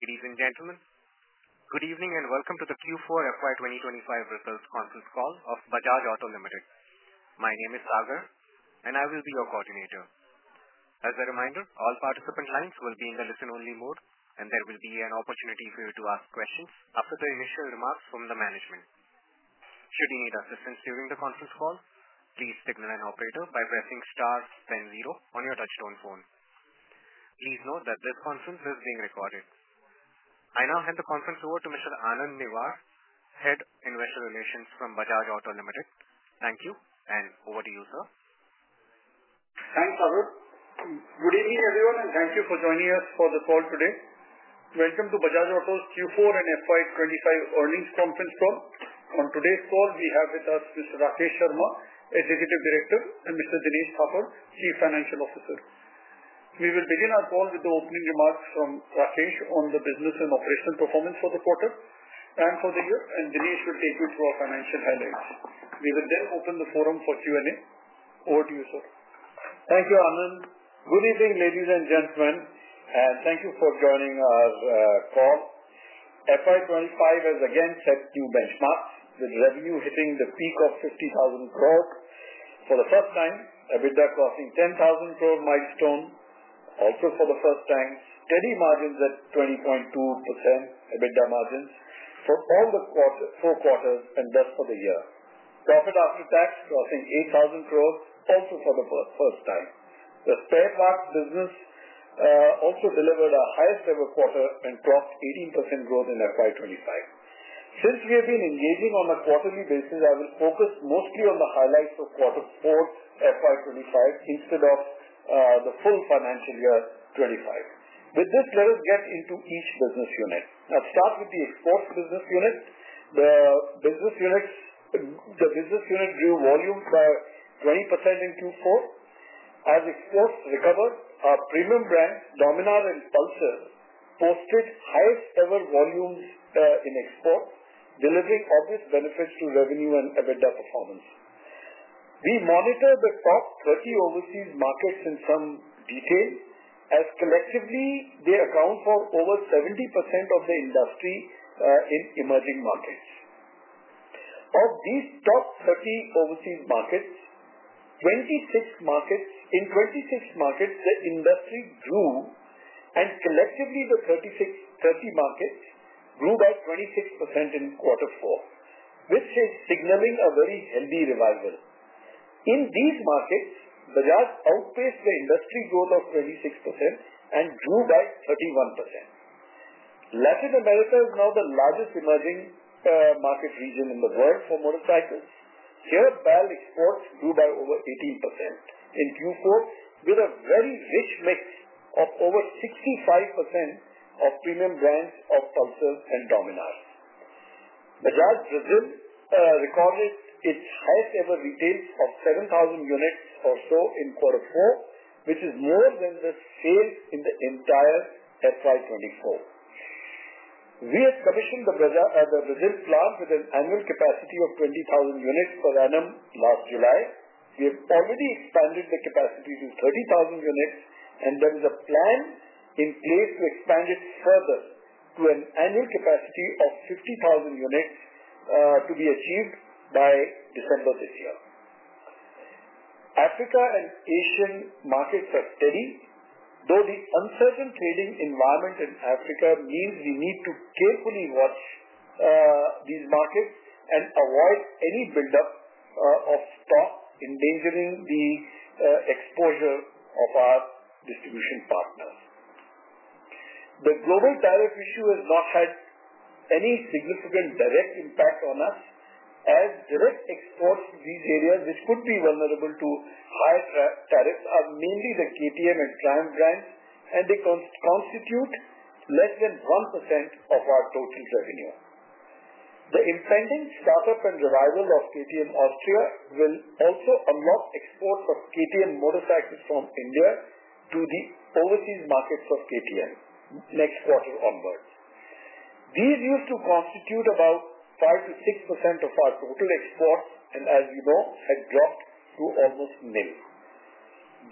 Ladies and gentlemen, good evening and welcome to the Q4 FY 2025 results conference call of Bajaj Auto Limited. My name is Sagar, and I will be your coordinator. As a reminder, all participant lines will be in the listen-only mode, and there will be an opportunity for you to ask questions after the initial remarks from the management. Should you need assistance during the conference call, please signal an operator by pressing star then zero on your touchstone phone. Please note that this conference is being recorded. I now hand the conference over to Mr. Anand Newar, Head Investor Relations from Bajaj Auto Limited. Thank you, and over to you, sir. Thanks, Sagar. Good evening, everyone, and thank you for joining us for the call today. Welcome to Bajaj Auto's Q4 and FY 2025 earnings conference call. On today's call, we have with us Mr. Rakesh Sharma, Executive Director, and Mr. Dinesh Thapar, Chief Financial Officer. We will begin our call with the opening remarks from Rakesh on the business and operational performance for the quarter and for the year, and Dinesh will take you through our financial headlines. We will then open the forum for Q&A. Over to you, sir. Thank you, Anand. Good evening, ladies and gentlemen, and thank you for joining our call. FY 2025 has again set new benchmarks, with revenue hitting the peak of 50,000 crore for the first time, EBITDA crossing the 10,000 crore milestone also for the first time, steady margins at 20.2% EBITDA margins for all the four quarters and thus for the year. Profit after tax crossing 8,000 crore also for the first time. The spare parts business also delivered a highest-ever quarter and crossed 18% growth in FY 2025. Since we have been engaging on a quarterly basis, I will focus mostly on the highlights of quarter four FY 2025 instead of the full financial year 2025. With this, let us get into each business unit. I'll start with the exports business unit. The business unit grew volume by 20% in Q4. As exports recovered, our premium brands, Dominar and Pulsar, posted highest-ever volumes in exports, delivering obvious benefits to revenue and EBITDA performance. We monitor the top 30 overseas markets in some detail, as collectively, they account for over 70% of the industry in emerging markets. Of these top 30 overseas markets, in 26 markets, the industry grew, and collectively, the 30 markets grew by 26% in quarter four, which is signaling a very healthy revival. In these markets, Bajaj outpaced the industry growth of 26% and grew by 31%. Latin America is now the largest emerging market region in the world for motorcycles. Here, Bajaj exports grew by over 18% in Q4, with a very rich mix of over 65% of premium brands of Pulsar and Dominar. Bajaj Brazil recorded its highest-ever retail of 7,000 units or so in quarter four, which is more than the sales in the entire FY 2024. We have commissioned the Brazil plant with an annual capacity of 20,000 units per annum last July. We have already expanded the capacity to 30,000 units, and there is a plan in place to expand it further to an annual capacity of 50,000 units to be achieved by December this year. Africa and Asian markets are steady, though the uncertain trading environment in Africa means we need to carefully watch these markets and avoid any buildup of stock endangering the exposure of our distribution partners. The global tariff issue has not had any significant direct impact on us, as direct exports to these areas, which could be vulnerable to higher tariffs, are mainly the KTM and Triumph brands, and they constitute less than 1% of our total revenue. The impending startup and revival of KTM Austria will also unlock exports of KTM motorcycles from India to the overseas markets of KTM next quarter onwards. These used to constitute about 5%-6% of our total exports, and as you know, had dropped to almost nil.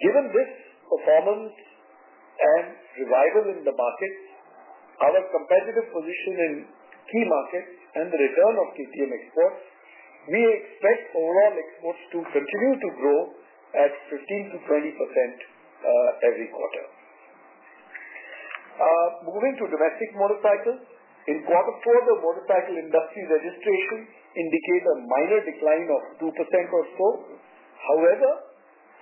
Given this performance and revival in the markets, our competitive position in key markets, and the return of KTM exports, we expect overall exports to continue to grow at 15%-20% every quarter. Moving to domestic motorcycle, in quarter four, the motorcycle industry registration indicates a minor decline of 2% or so. However,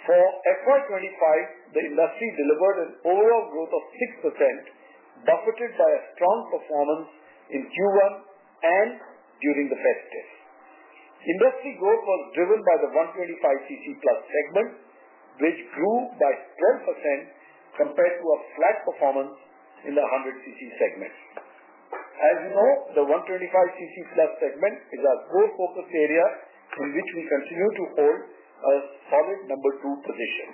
for FY 2025, the industry delivered an overall growth of 6%, buffeted by a strong performance in Q1 and during the festive days. Industry growth was driven by the 125cc plus segment, which grew by 12% compared to a flat performance in the 100cc segment. As you know, the 125cc plus segment is our growth-focused area in which we continue to hold a solid number two position.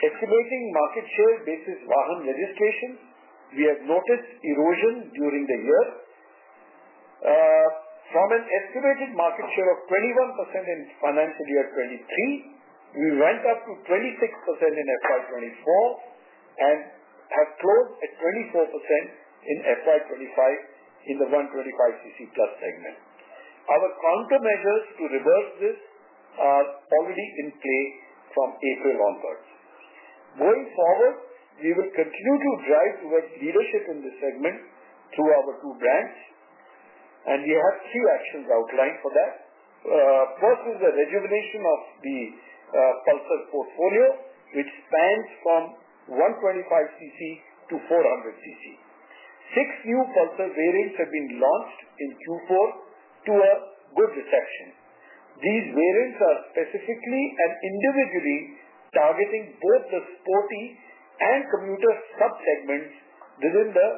Estimating market share basis Vahan registration, we have noticed erosion during the year. From an estimated market share of 21% in financial year 2023, we went up to 26% in financial year 2024 and have closed at 24% in financial year 2025 in the 125cc plus segment. Our countermeasures to reverse this are already in play from April onwards. Going forward, we will continue to drive towards leadership in this segment through our two brands, and we have three actions outlined for that. First is the rejuvenation of the Pulsar portfolio, which spans from 125cc to 400cc. Six new Pulsar variants have been launched in Q4 to a good reception. These variants are specifically and individually targeting both the sporty and commuter subsegments within the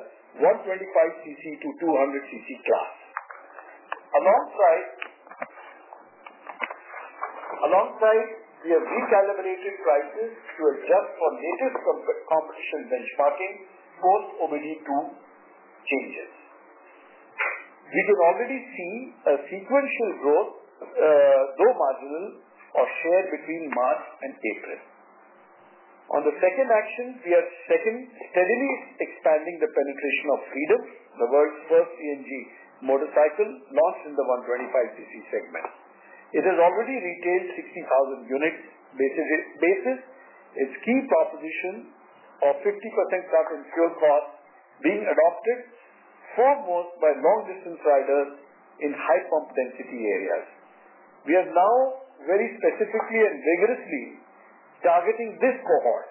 125cc to 200cc class. Alongside, we have recalibrated prices to adjust for latest competition benchmarking post-OBD2 changes. We can already see a sequential growth, though marginal, of share between March and April. On the second action, we are steadily expanding the penetration of Freedom, the world's first CNG motorcycle launched in the 125cc segment. It has already retailed 60,000 units basis its key proposition of 50% cut in fuel cost being adopted foremost by long-distance riders in high pump density areas. We are now very specifically and vigorously targeting this cohort,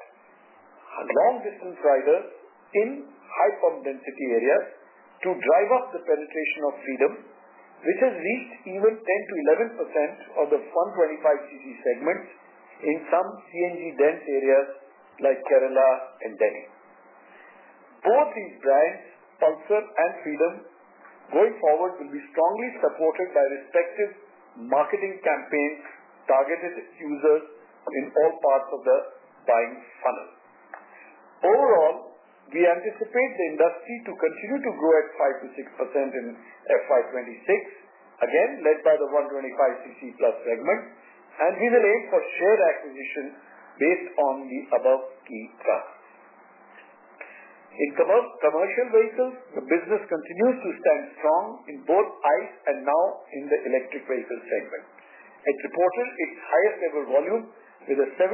long-distance riders in high pump density areas, to drive up the penetration of Freedom, which has reached even 10%-11% of the 125cc segments in some CNG-dense areas like Kerala and Delhi. Both these brands, Pulsar and Freedom, going forward will be strongly supported by respective marketing campaigns targeted at users in all parts of the buying funnel. Overall, we anticipate the industry to continue to grow at 5%-6% in FY 2026, again led by the 125cc plus segment, and we will aim for share acquisition based on the above key thrust. In commercial vehicles, the business continues to stand strong in both ICE and now in the electric vehicle segment. It reported its highest-ever volume with a 75%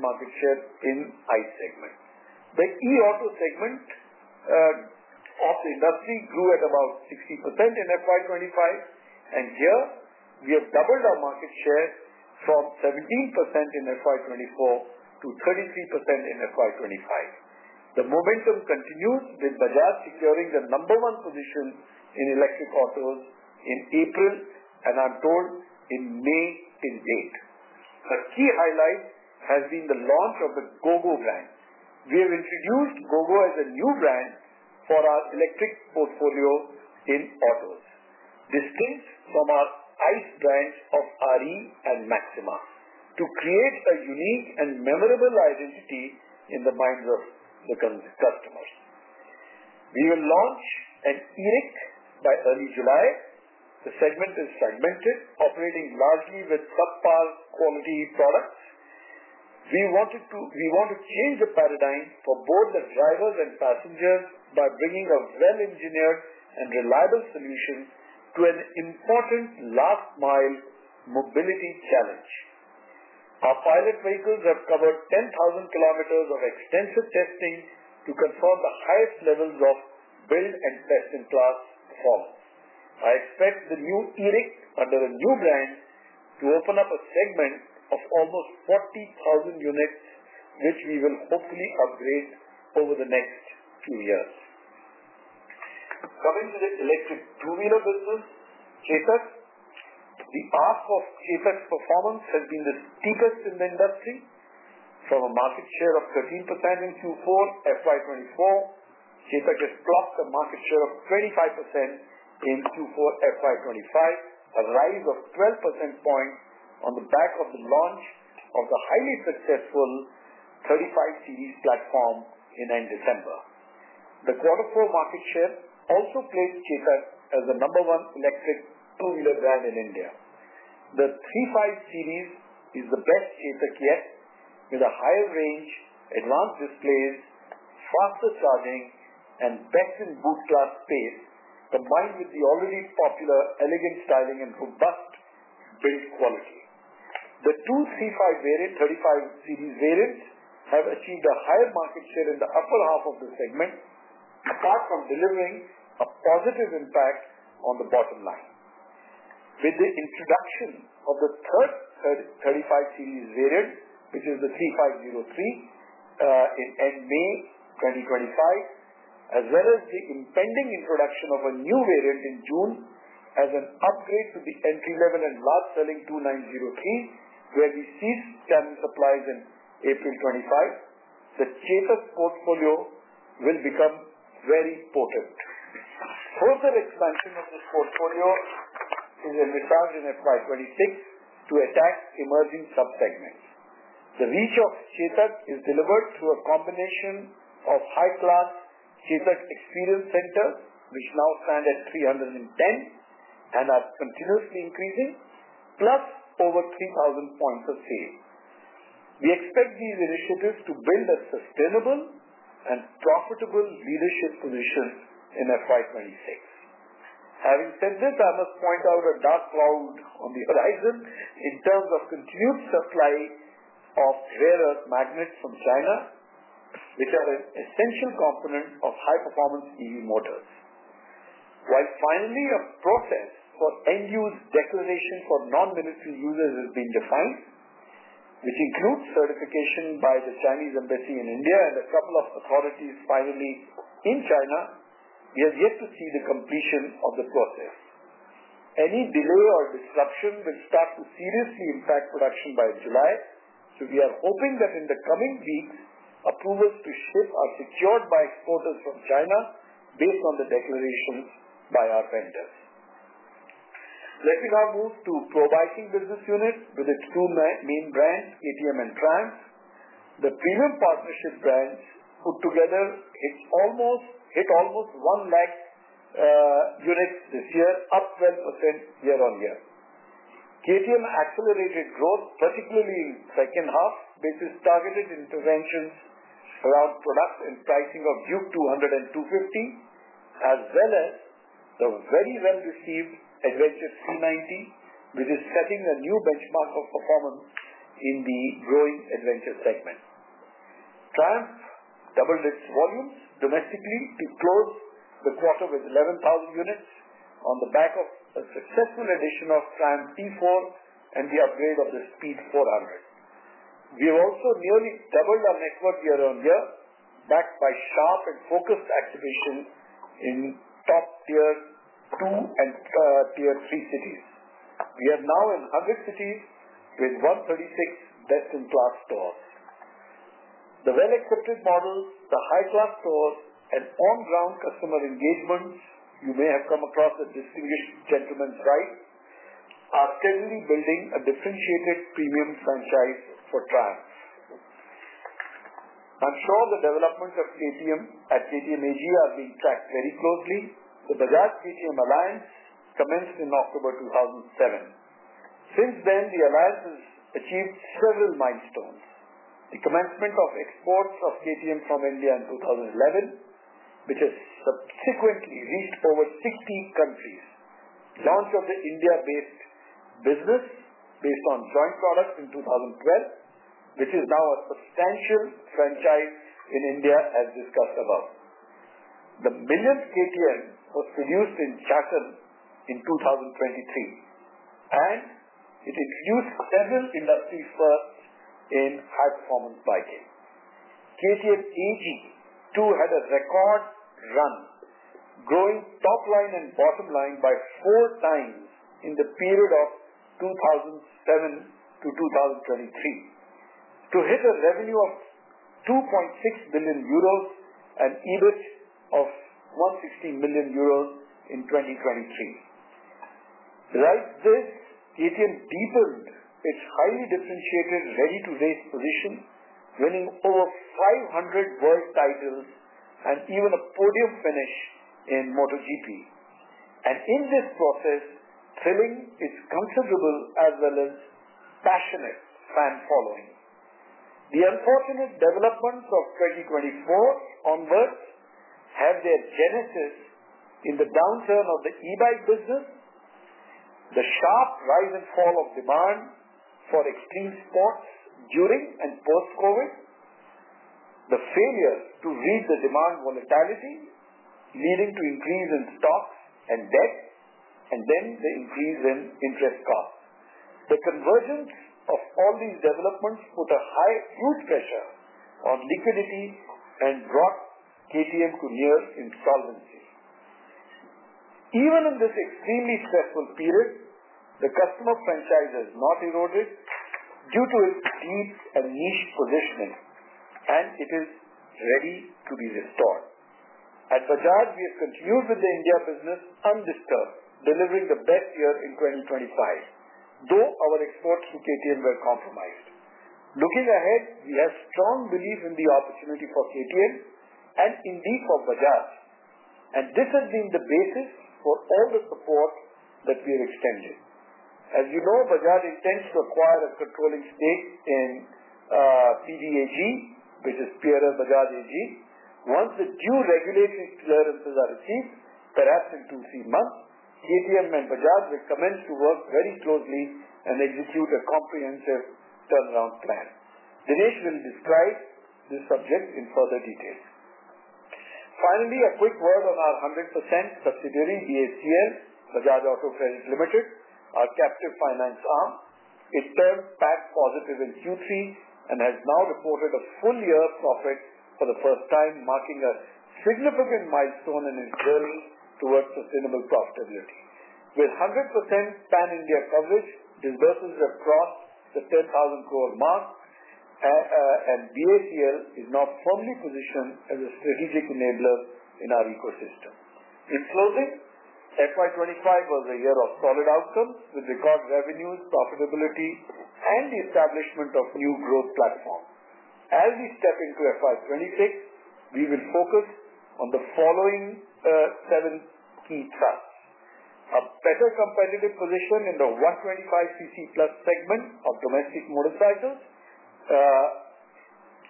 market share in the ICE segment. The e-auto segment of the industry grew at about 60% in FY 2025, and here we have doubled our market share from 17% in FY 2024 to 33% in FY 2025. The momentum continues with Bajaj securing the number one position in electric autos in April and, I'm told, in May 2018. A key highlight has been the launch of the Gogo brand. We have introduced Gogo as a new brand for our electric portfolio in autos, distinct from our ICE brands of RE and Maxima, to create a unique and memorable identity in the minds of the customers. We will launch an E-RIC by early July. The segment is segmented, operating largely with subpar quality products. We want to change the paradigm for both the drivers and passengers by bringing a well-engineered and reliable solution to an important last-mile mobility challenge. Our pilot vehicles have covered 10,000 kilometers of extensive testing to confirm the highest levels of build and test-in-class performance. I expect the new E-RIC under a new brand to open up a segment of almost 40,000 units, which we will hopefully upgrade over the next few years. Coming to the electric two-wheeler business, CapEx. The arc of CapEx performance has been the steepest in the industry. From a market share of 13% in Q4 FY 2024, Chetak has plopped a market share of 25% in Q4 FY 2025, a rise of 12 percentage points on the back of the launch of the highly successful 35 series platform in end December. The quarter four market share also placed Chetak as the number one electric two-wheeler brand in India. The 35 series is the best Chetak yet, with a higher range, advanced displays, faster charging, and better boot-class space, combined with the already popular elegant styling and robust build quality. The two 35 series variants have achieved a higher market share in the upper half of the segment, apart from delivering a positive impact on the bottom line. With the introduction of the third 35 series variant, which is the 3503, in end May 2025, as well as the impending introduction of a new variant in June as an upgrade to the entry-level and large-selling 2903, where we ceased Tamil supplies in April 2025, the CapEx portfolio will become very potent. Further expansion of this portfolio is in reserve in FY 2026 to attack emerging subsegments. The reach of CapEx is delivered through a combination of high-class CapEx experience centers, which now stand at 310 and are continuously increasing, plus over 3,000 points of sale. We expect these initiatives to build a sustainable and profitable leadership position in FY 2026. Having said this, I must point out a dark cloud on the horizon in terms of continued supply of rare earth magnets from China, which are an essential component of high-performance EV motors. While finally, a process for end-use declaration for non-military users has been defined, which includes certification by the Chinese embassy in India and a couple of authorities finally in China, we have yet to see the completion of the process. Any delay or disruption will start to seriously impact production by July, so we are hoping that in the coming weeks, approvals to ship are secured by exporters from China based on the declarations by our vendors. Let me now move to pro-biking business units with its two main brands, KTM and Triumph. The premium partnership brands put together hit almost 1 lakh units this year, up 12% year-on-year. KTM accelerated growth, particularly in second-half basis targeted interventions around product and pricing of U200 and U50, as well as the very well-received Adventure C90, which is setting a new benchmark of performance in the growing adventure segment. Triumph doubled its volumes domestically to close the quarter with 11,000 units on the back of a successful addition of Triumph T4 and the upgrade of the Speed 400. We have also nearly doubled our network year-on-year, backed by sharp and focused activation in top-tier two and tier-three cities. We are now in 100 cities with 136 best-in-class stores. The well-accepted models, the high-class stores, and on-ground customer engagements you may have come across at Distinguished Gentleman's Ride are steadily building a differentiated premium franchise for Triumph. I'm sure the development of KTM at KTM AG is being tracked very closely. The Bajaj-KTM Alliance commenced in October 2007. Since then, the alliance has achieved several milestones: the commencement of exports of KTM from India in 2011, which has subsequently reached over 60 countries. Launch of the India-based business based on joint product in 2012, which is now a substantial franchise in India, as discussed above. The millionth KTM was produced in Chakan in 2023, and it introduced several industry firsts in high-performance biking. KTM AG had a record run, growing top line and bottom line by four times in the period of 2007 to 2023, to hit a revenue of 2.6 billion euros and EBIT of 160 million euros in 2023. Besides this, KTM deepened its highly differentiated ready-to-race position, winning over 500 world titles and even a podium finish in MotoGP, and in this process, thrilling its comfortable as well as passionate fan following. The unfortunate developments of 2024 onwards have their genesis in the downturn of the e-bike business, the sharp rise and fall of demand for extreme sports during and post-COVID, the failure to read the demand volatility leading to increase in stocks and debt, and then the increase in interest costs. The convergence of all these developments put a huge pressure on liquidity and brought KTM to near insolvency. Even in this extremely stressful period, the customer franchise has not eroded due to its deep and niche positioning, and it is ready to be restored. At Bajaj, we have continued with the India business undisturbed, delivering the best year in 2025, though our exports to KTM were compromised. Looking ahead, we have strong belief in the opportunity for KTM and indeed for Bajaj, and this has been the basis for all the support that we have extended. As you know, Bajaj intends to acquire a controlling stake in PDAG, which is Pierer Bajaj AG. Once the due regulatory clearances are received, perhaps in two to three months, KTM and Bajaj will commence to work very closely and execute a comprehensive turnaround plan. Dinesh will describe this subject in further detail. Finally, a quick word on our 100% subsidiary, BACL, Bajaj Auto Credit Limited, our captive finance arm. It turned PAT positive in Q3 and has now reported a full year profit for the first time, marking a significant milestone in its journey towards sustainable profitability. With 100% pan-India coverage, disbursals across the 10,000 crore mark, and BACL is now firmly positioned as a strategic enabler in our ecosystem. In closing, FY 2025 was a year of solid outcomes with record revenues, profitability, and the establishment of new growth platforms. As we step into FY 2026, we will focus on the following seven key thrusts: a better competitive position in the 125cc plus segment of domestic motorcycles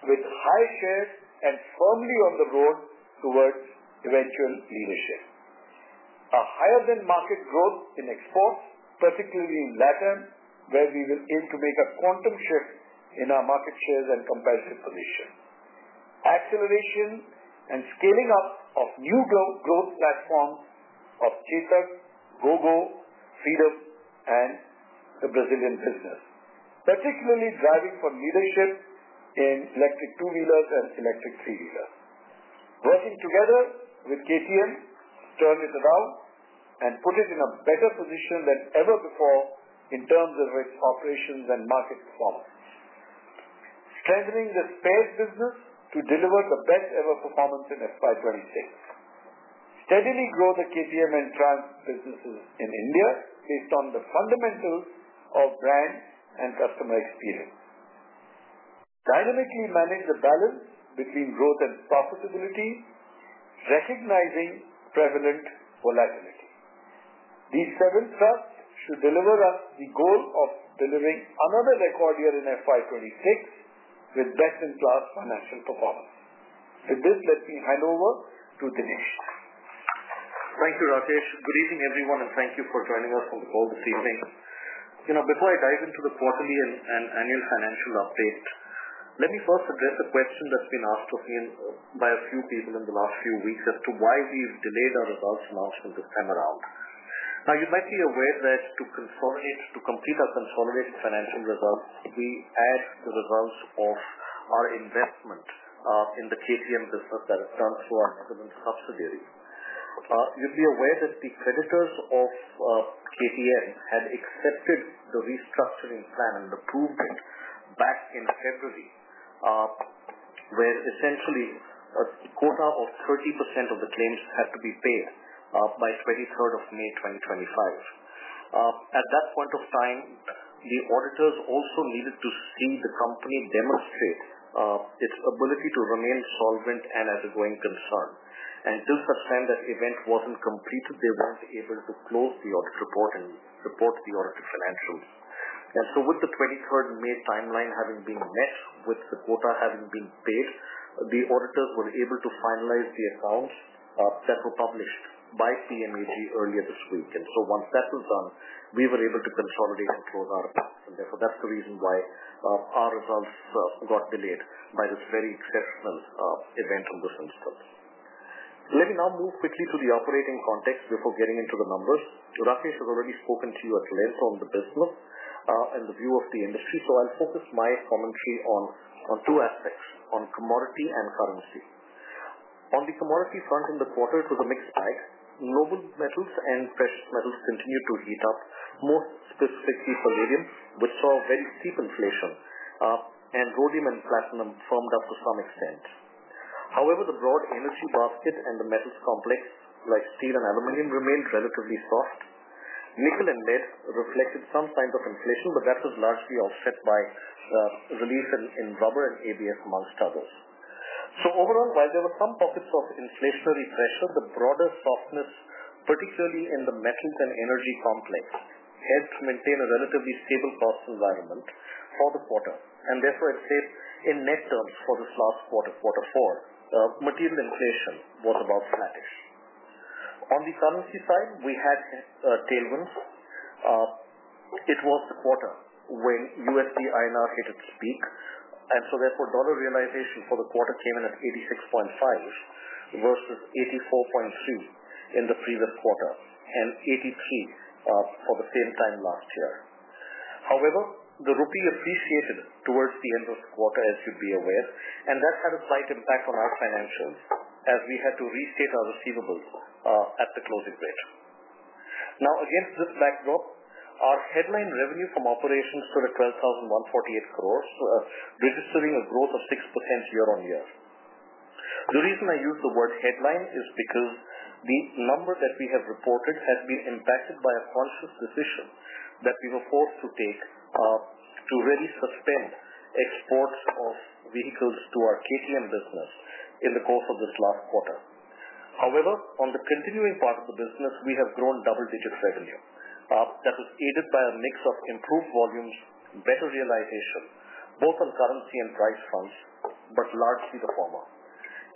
with high shares and firmly on the road towards eventual leadership. A higher-than-market growth in exports, particularly in Latin America, where we will aim to make a quantum shift in our market shares and competitive position. Acceleration and scaling up of new growth platforms of CapEx, Gogo, Freedom, and the Brazilian business, particularly driving for leadership in electric two-wheelers and electric three-wheelers. Working together with KTM, turn it around and put it in a better position than ever before in terms of its operations and market performance. Strengthening the spares business to deliver the best-ever performance in FY 2026. Steadily grow the KTM and Triumph businesses in India based on the fundamentals of brand and customer experience. Dynamically manage the balance between growth and profitability, recognizing prevalent volatility. These seven trusts should deliver us the goal of delivering another record year in FY 2026 with best-in-class financial performance. With this, let me hand over to Dinesh. Thank you, Rakesh. Good evening, everyone, and thank you for joining us on the call this evening. Before I dive into the quarterly and annual financial update, let me first address a question that's been asked of me by a few people in the last few weeks as to why we've delayed our results announcement this time around. Now, you might be aware that to complete our consolidated financial results, we add the results of our investment in the KTM business that is done through our government subsidiary. You'll be aware that the creditors of KTM had accepted the restructuring plan and approved it back in February, where essentially a quota of 30% of the claims had to be paid by 23rd of May 2025. At that point of time, the auditors also needed to see the company demonstrate its ability to remain solvent and as a going concern. To the extent that event wasn't completed, they weren't able to close the audit report and report the auditor financials. With the 23rd May timeline having been met, with the quota having been paid, the auditors were able to finalize the accounts that were published by PMAG earlier this week. Once that was done, we were able to consolidate and close our accounts. Therefore, that's the reason why our results got delayed by this very exceptional event on this instance. Let me now move quickly to the operating context before getting into the numbers. Rakesh has already spoken to you at length on the business and the view of the industry, so I'll focus my commentary on two aspects: on commodity and currency. On the commodity front in the quarter, it was a mixed bag. Noble metals and precious metals continued to heat up, most specifically for lithium, which saw very steep inflation, and rhodium and platinum firmed up to some extent. However, the broad energy basket and the metals complex, like steel and aluminum, remained relatively soft. Nickel and lead reflected some signs of inflation, but that was largely offset by relief in rubber and ABS, amongst others. Overall, while there were some pockets of inflationary pressure, the broader softness, particularly in the metals and energy complex, helped maintain a relatively stable cost environment for the quarter. Therefore, I'd say in net terms for this last quarter, quarter four, material inflation was about flattish. On the currency side, we had tailwinds. It was the quarter when USD/INR hit its peak, and therefore, dollar realization for the quarter came in at $86.5 versus $84.3 in the previous quarter and $83 for the same time last year. However, the rupee appreciated towards the end of the quarter, as you'd be aware, and that had a slight impact on our financials as we had to restate our receivables at the closing rate. Now, against this backdrop, our headline revenue from operations stood at 12,148 crore, registering a growth of 6% year-on-year. The reason I use the word headline is because the number that we have reported has been impacted by a conscious decision that we were forced to take to really suspend exports of vehicles to our KTM business in the course of this last quarter. However, on the continuing part of the business, we have grown double-digit revenue. That was aided by a mix of improved volumes, better realization, both on currency and price fronts, but largely the former,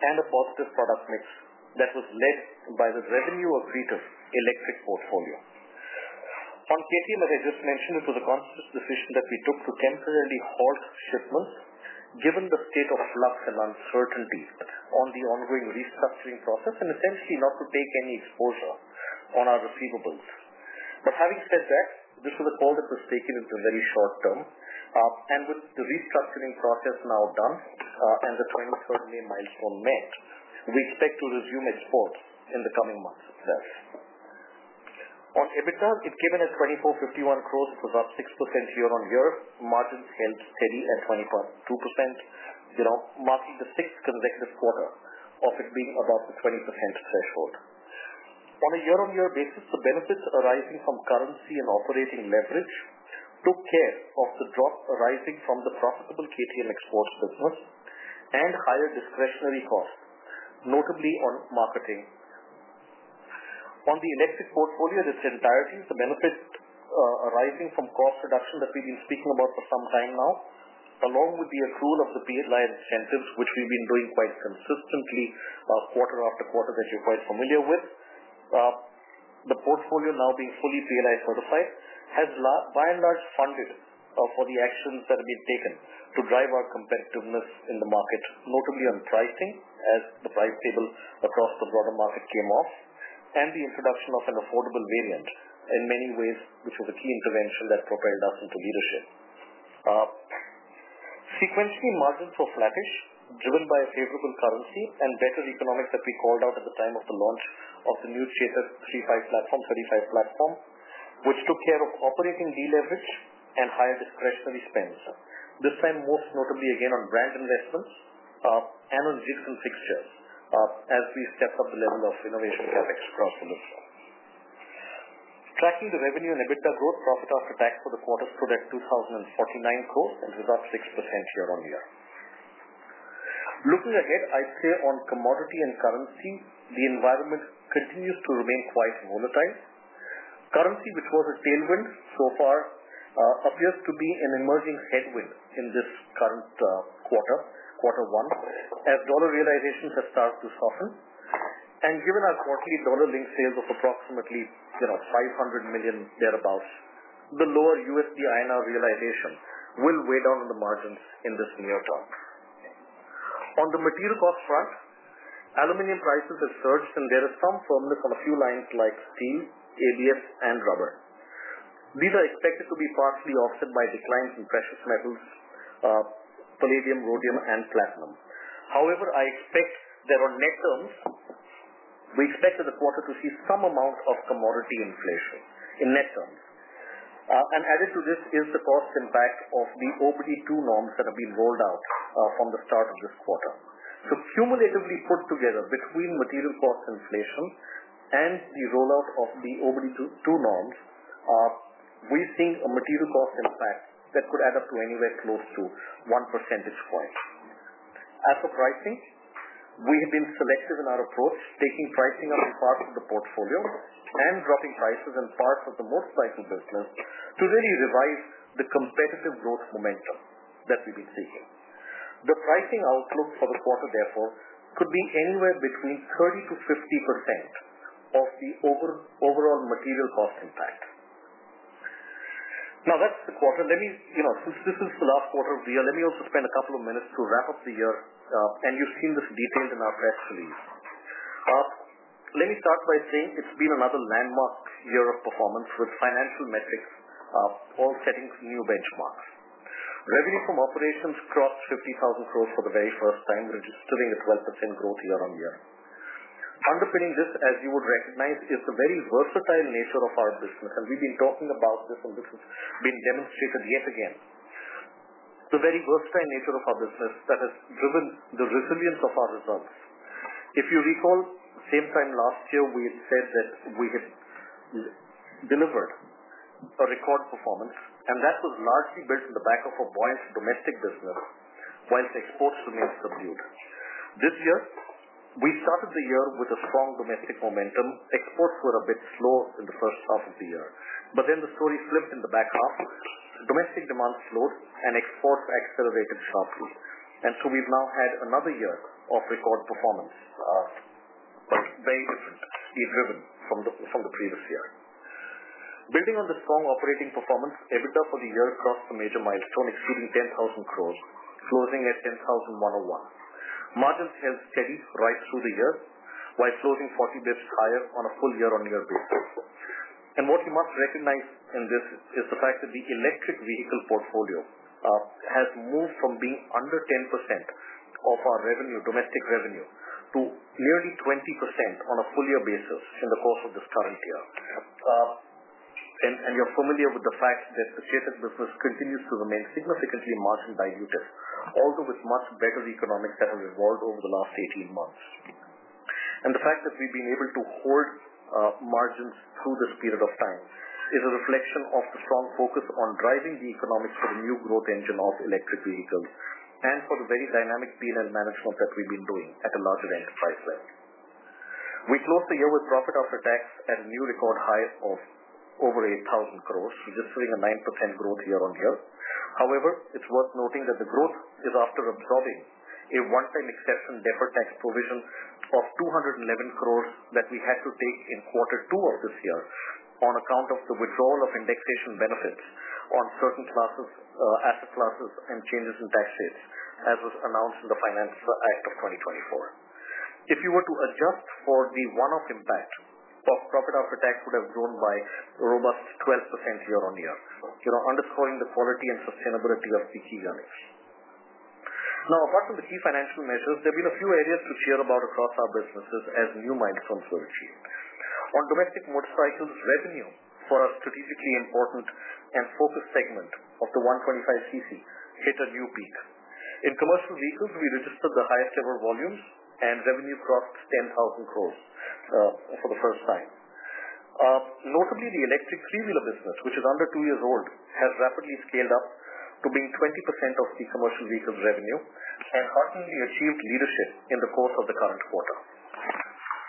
and a positive product mix that was led by the revenue-agreed electric portfolio. On KTM, as I just mentioned, it was a conscious decision that we took to temporarily halt shipments given the state of flux and uncertainty on the ongoing restructuring process and essentially not to take any exposure on our receivables. Having said that, this was a call that was taken in the very short term, and with the restructuring process now done and the 23 May milestone met, we expect to resume exports in the coming months itself. On EBITDA, it came in at 2,451 crore. It was up 6% year-on-year. Margins held steady at 22%, marking the sixth consecutive quarter of it being above the 20% threshold. On a year-on-year basis, the benefits arising from currency and operating leverage took care of the drop arising from the profitable KTM exports business and higher discretionary costs, notably on marketing. On the electric portfolio in its entirety, the benefit arising from cost reduction that we've been speaking about for some time now, along with the accrual of the PALI incentives, which we've been doing quite consistently quarter after quarter that you're quite familiar with, the portfolio now being fully PALI certified, has by and large funded for the actions that have been taken to drive our competitiveness in the market, notably on pricing as the price table across the broader market came off and the introduction of an affordable variant in many ways, which was a key intervention that propelled us into leadership. Sequentially, margins were flattish, driven by a favorable currency and better economics that we called out at the time of the launch of the new 35 platform, which took care of operating deleverage and higher discretionary spends, this time most notably again on brand investments, analytics, and fixtures as we stepped up the level of innovation CapEx across the list. Tracking the revenue and EBITDA growth, profit after tax for the quarter stood at 2,049 crore and was up 6% year-on-year. Looking ahead, I'd say on commodity and currency, the environment continues to remain quite volatile. Currency, which was a tailwind so far, appears to be an emerging headwind in this current quarter, quarter one, as dollar realizations have started to soften. Given our quarterly dollar-linked sales of approximately $500 million thereabouts, the lower USD/INR realization will weigh down on the margins in this near term. On the material cost front, aluminum prices have surged, and there is some firmness on a few lines like steel, ABS, and rubber. These are expected to be partially offset by declines in precious metals, palladium, rhodium, and platinum. However, I expect that on net terms, we expect in the quarter to see some amount of commodity inflation in net terms. Added to this is the cost impact of the OBD2 norms that have been rolled out from the start of this quarter. Cumulatively put together between material cost inflation and the rollout of the OBD2 norms, we are seeing a material cost impact that could add up to anywhere close to 1 percentage point. As for pricing, we have been selective in our approach, taking pricing out of parts of the portfolio and dropping prices in parts of the motorcycle business to really revive the competitive growth momentum that we've been seeking. The pricing outlook for the quarter, therefore, could be anywhere between 30%-50% of the overall material cost impact. Now, that's the quarter. Since this is the last quarter of the year, let me also spend a couple of minutes to wrap up the year, and you've seen this detailed in our press release. Let me start by saying it's been another landmark year of performance with financial metrics all setting new benchmarks. Revenue from operations crossed 50,000 crore for the very first time, registering a 12% growth year-on-year. Underpinning this, as you would recognize, is the very versatile nature of our business, and we've been talking about this, and this has been demonstrated yet again. The very versatile nature of our business that has driven the resilience of our results. If you recall, same time last year, we had said that we had delivered a record performance, and that was largely built on the back of a buoyant domestic business while exports remained subdued. This year, we started the year with a strong domestic momentum. Exports were a bit slow in the first half of the year, but then the story flipped in the back half. Domestic demand slowed, and exports accelerated sharply. We have now had another year of record performance, but very differently driven from the previous year. Building on the strong operating performance, EBITDA for the year crossed the major milestone, exceeding 10,000 crore, closing at 10,101 crore. Margins held steady right through the year while closing 40 basis points higher on a full year-on-year basis. What you must recognize in this is the fact that the electric vehicle portfolio has moved from being under 10% of our domestic revenue to nearly 20% on a full-year basis in the course of this current year. You are familiar with the fact that the CAPAC business continues to remain significantly margin diluted, although with much better economics that have evolved over the last 18 months. The fact that we've been able to hold margins through this period of time is a reflection of the strong focus on driving the economics for the new growth engine of electric vehicles and for the very dynamic P&L management that we've been doing at a larger enterprise level. We closed the year with profit after tax at a new record high of over 8,000 crore, registering a 9% growth year-on-year. However, it's worth noting that the growth is after absorbing a one-time exception deferred tax provision of 211 crore that we had to take in quarter two of this year on account of the withdrawal of indexation benefits on certain asset classes and changes in tax rates, as was announced in the Finance Act of 2024. If you were to adjust for the one-off impact, profit after tax would have grown by a robust 12% year-on-year, underscoring the quality and sustainability of the key earnings. Now, apart from the key financial measures, there have been a few areas to cheer about across our businesses as new milestones were achieved. On domestic motorcycles revenue, for our strategically important and focused segment of the 125cc, hit a new peak. In commercial vehicles, we registered the highest-ever volumes, and revenue crossed 10,000 crore for the first time. Notably, the electric 3-wheelers business, which is under two years old, has rapidly scaled up to being 20% of the commercial vehicle revenue and hearteningly achieved leadership in the course of the current quarter.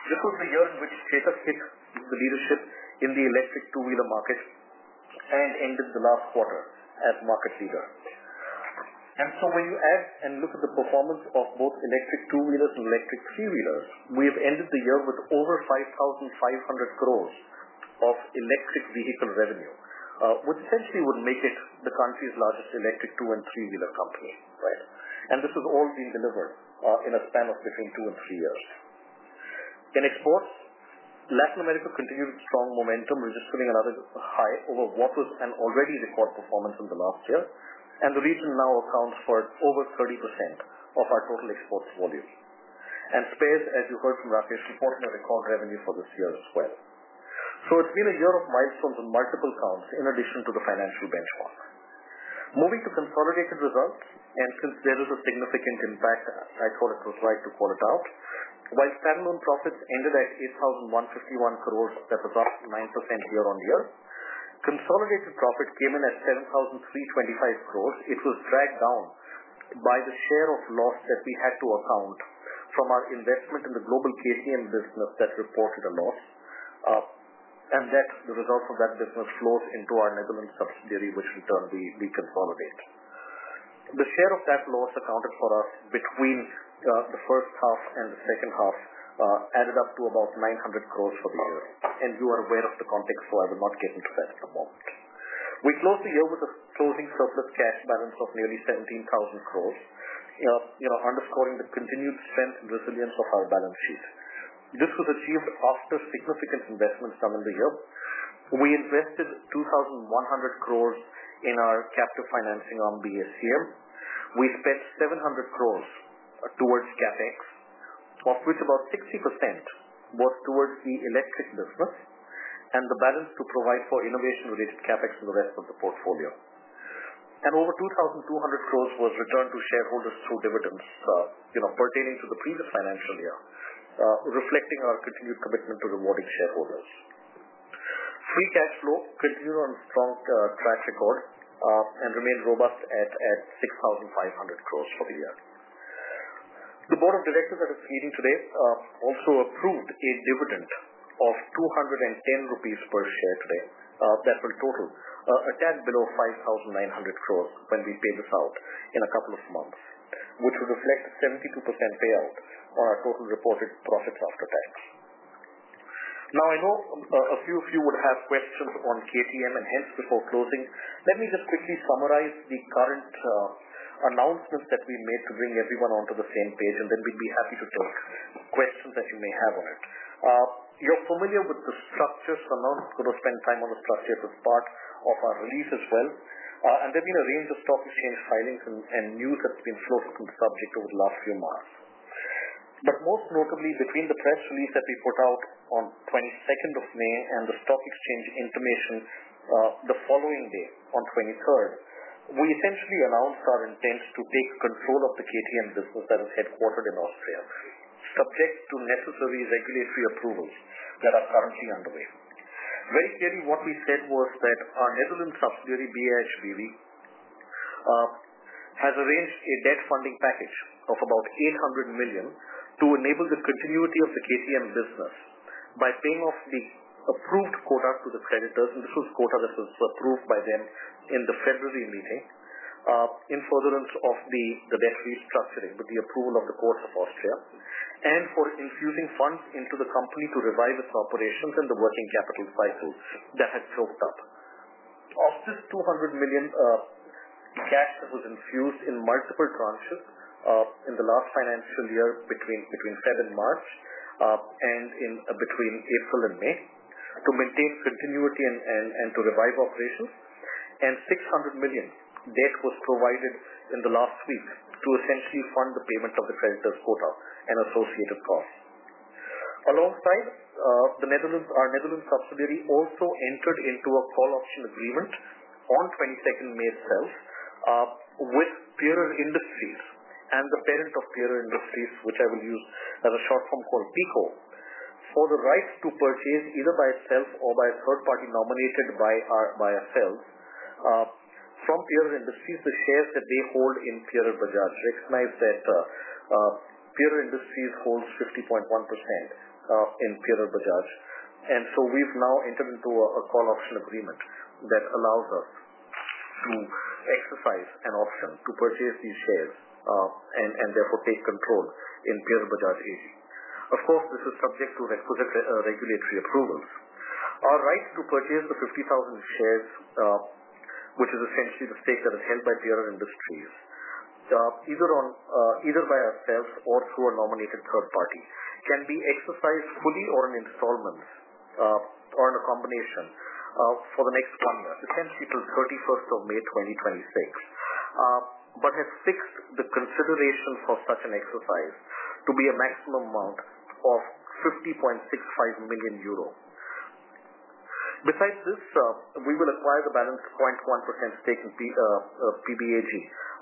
This was the year in which Chetak hit the leadership in the electric two-wheeler market and ended the last quarter as market leader. When you add and look at the performance of both electric two-wheelers and electric three-wheelers, we have ended the year with over 5,500 crore of electric vehicle revenue, which essentially would make it the country's largest electric two- and three-wheeler company. This has all been delivered in a span of between two and three years. In exports, Latin America continued its strong momentum, registering another high over what was an already record performance in the last year, and the region now accounts for over 30% of our total exports volume. Spain, as you heard from Rakesh, reported a record revenue for this year as well. It has been a year of milestones on multiple counts in addition to the financial benchmark. Moving to consolidated results, and since there is a significant impact, I thought it was right to call it out. While standalone profits ended at 8,151 crore, that was up 9% year-on-year, consolidated profit came in at 7,325 crore. It was dragged down by the share of loss that we had to account from our investment in the global KTM business that reported a loss, and that the results of that business flows into our Netherlands subsidiary, which in turn we consolidate. The share of that loss accounted for us between the first half and the second half, added up to about 900 crore for the year. You are aware of the context, so I will not get into that at the moment. We closed the year with a closing surplus cash balance of nearly 17,000 crore, underscoring the continued strength and resilience of our balance sheet. This was achieved after significant investments done in the year. We invested 2,100 crore in our captive financing on BSCM. We spent 700 crore towards CapEx, of which about 60% was towards the electric business and the balance to provide for innovation-related CapEx in the rest of the portfolio. Over 2,200 crore was returned to shareholders through dividends pertaining to the previous financial year, reflecting our continued commitment to rewarding shareholders. Free cash flow continued on a strong track record and remained robust at 6,500 crore for the year. The Board of Directors at this meeting today also approved a dividend of 210 rupees per share today that will total a tag below 5,900 crore when we pay this out in a couple of months, which would reflect a 72% payout on our total reported profits after tax. Now, I know a few of you would have questions on KTM, and hence, before closing, let me just quickly summarize the current announcements that we made to bring everyone onto the same page, and then we'd be happy to take questions that you may have on it. You're familiar with the structures, so I'm not going to spend time on the structures as part of our release as well. There have been a range of stock exchange filings and news that's been floated on the subject over the last few months. Most notably, between the press release that we put out on 22nd of May and the stock exchange intimation the following day, on 23rd, we essentially announced our intent to take control of the KTM business that is headquartered in Austria, subject to necessary regulatory approvals that are currently underway. Very clearly, what we said was that our Netherlands subsidiary, BAH BV, has arranged a debt funding package of about 800 million to enable the continuity of the KTM business by paying off the approved quota to the creditors. This was quota that was approved by them in the February meeting in furtherance of the debt restructuring with the approval of the Courts of Austria and for infusing funds into the company to revive its operations and the working capital cycle that had choked up. Of this, 200 million cash was infused in multiple tranches in the last financial year between February and March and between April and May to maintain continuity and to revive operations, and 600 million debt was provided in the last week to essentially fund the payment of the creditors' quota and associated costs. Alongside, our Netherlands subsidiary also entered into a call option agreement on 22nd May itself with Pierer Industries and the parent of Pierer Industries, which I will use as a short form called PECO, for the right to purchase either by itself or by a third party nominated by ourselves from Pierer Industries, the shares that they hold in Pierer Bajaj. Recognize that Pierer Industries holds 50.1% in Pierer Bajaj. We have now entered into a call option agreement that allows us to exercise an option to purchase these shares and therefore take control in Pierer Bajaj AG. Of course, this is subject to regulatory approvals. Our right to purchase the 50,000 shares, which is essentially the stake that is held by Pierer Industries, either by ourselves or through a nominated third party, can be exercised fully or in installments or in a combination for the next one year, essentially till 31st of May 2026, but has fixed the consideration for such an exercise to be a maximum amount of 50.65 million euro. Besides this, we will acquire the balance 0.1% stake in PBAG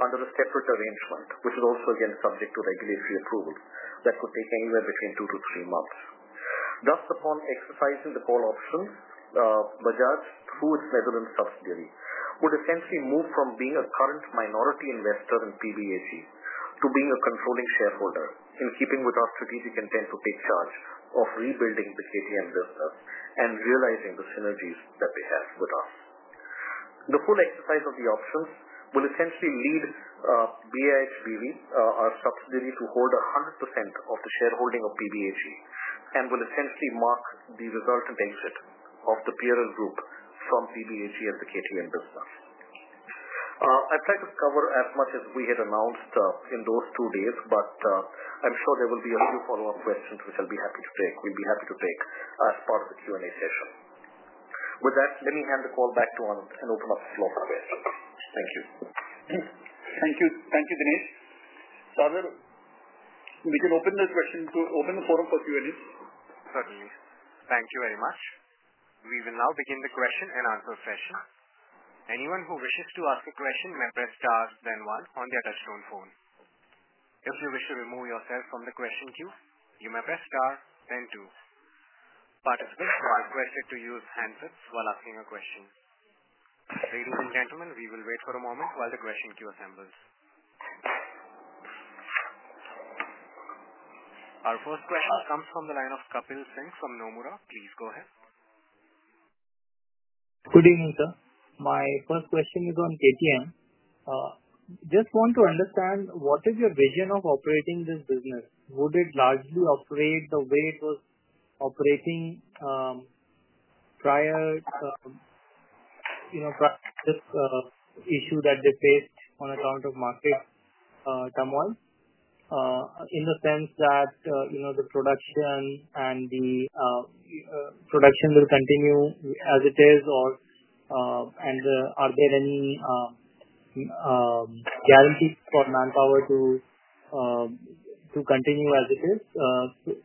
under a separate arrangement, which is also, again, subject to regulatory approval that could take anywhere between two to three months. Thus, upon exercising the call options, Bajaj, through its Netherlands subsidiary, would essentially move from being a current minority investor in PBAG to being a controlling shareholder in keeping with our strategic intent to take charge of rebuilding the KTM business and realizing the synergies that they have with us. The full exercise of the options will essentially lead BAH BV, our subsidiary, to hold 100% of the shareholding of PBAG and will essentially mark the resultant exit of the Pierer Group from PBAG and the KTM business. I've tried to cover as much as we had announced in those two days, but I'm sure there will be a few follow-up questions which I'll be happy to take. We'll be happy to take as part of the Q&A session. With that, let me hand the call back to Anand and open up the floor for questions. Thank you. Thank you, Dinesh. Sagar, we can open the question to open the forum for Q&A. Certainly. Thank you very much. We will now begin the question and answer session. Anyone who wishes to ask a question may press star, then one on their touchstone phone. If you wish to remove yourself from the question queue, you may press star, then two. Participants are requested to use handsets while asking a question. Ladies and gentlemen, we will wait for a moment while the question queue assembles. Our first question comes from the line of Kapil Singh from Nomura. Please go ahead. Good evening, sir. My first question is on KTM. Just want to understand, what is your vision of operating this business? Would it largely operate the way it was operating prior to this issue that they faced on account of market turmoil in the sense that the production and the production will continue as it is? Are there any guarantees for manpower to continue as it is?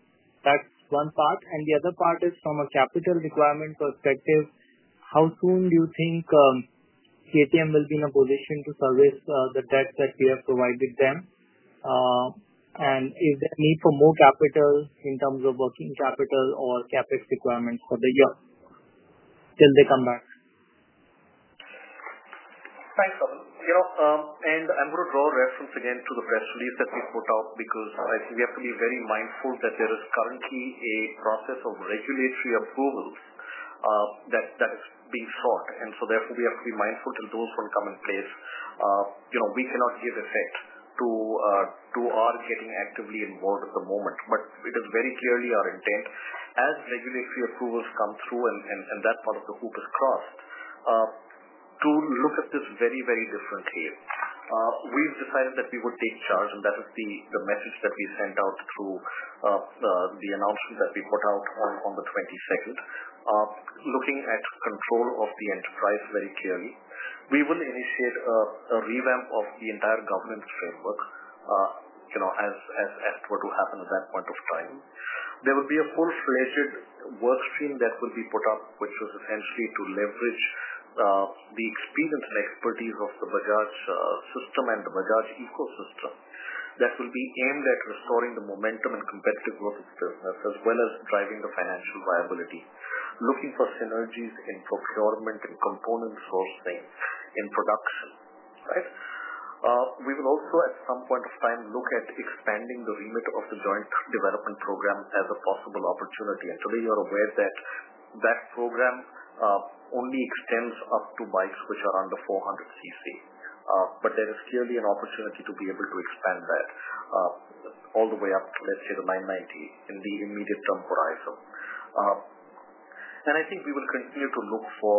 That's one part. The other part is from a capital requirement perspective, how soon do you think KTM will be in a position to service the debts that we have provided them? Is there a need for more capital in terms of working capital or CapEx requirements for the year till they come back? Thanks, Sagar. I am going to draw a reference again to the press release that we put out because I think we have to be very mindful that there is currently a process of regulatory approvals that is being sought. Therefore, we have to be mindful till those come in place. We cannot give effect to our getting actively involved at the moment. It is very clearly our intent, as regulatory approvals come through and that part of the hoop is crossed, to look at this very, very differently. We have decided that we would take charge, and that is the message that we sent out through the announcement that we put out on the 22nd, looking at control of the enterprise very clearly. We will initiate a revamp of the entire governance framework as to what will happen at that point of time. There will be a full-fledged workstream that will be put up, which was essentially to leverage the experience and expertise of the Bajaj system and the Bajaj ecosystem that will be aimed at restoring the momentum and competitive growth of the business as well as driving the financial viability, looking for synergies in procurement and component sourcing in production. Right? We will also, at some point of time, look at expanding the remit of the joint development program as a possible opportunity. Today, you are aware that that program only extends up to bikes which are under 400cc. There is clearly an opportunity to be able to expand that all the way up to, let's say, the 990 in the immediate-term horizon. I think we will continue to look for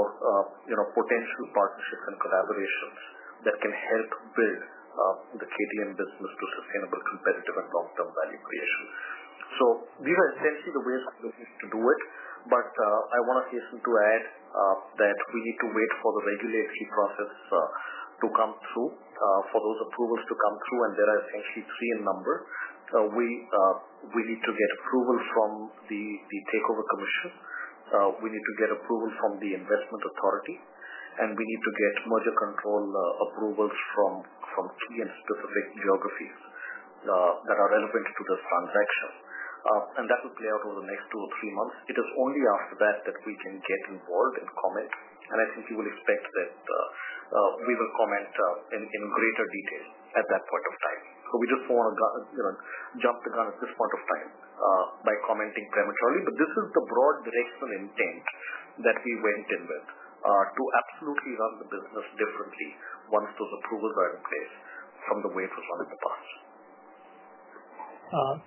potential partnerships and collaborations that can help build the KTM business to sustainable competitive and long-term value creation. These are essentially the ways we're looking to do it. I want to hasten to add that we need to wait for the regulatory process to come through, for those approvals to come through. There are essentially three in number. We need to get approval from the takeover commission. We need to get approval from the investment authority. We need to get merger control approvals from key and specific geographies that are relevant to this transaction. That will play out over the next two or three months. It is only after that that we can get involved and comment. I think you will expect that we will comment in greater detail at that point of time. We just want to jump the gun at this point of time by commenting prematurely. But this is the broad directional intent that we went in with to absolutely run the business differently once those approvals are in place from the way it was run in the past.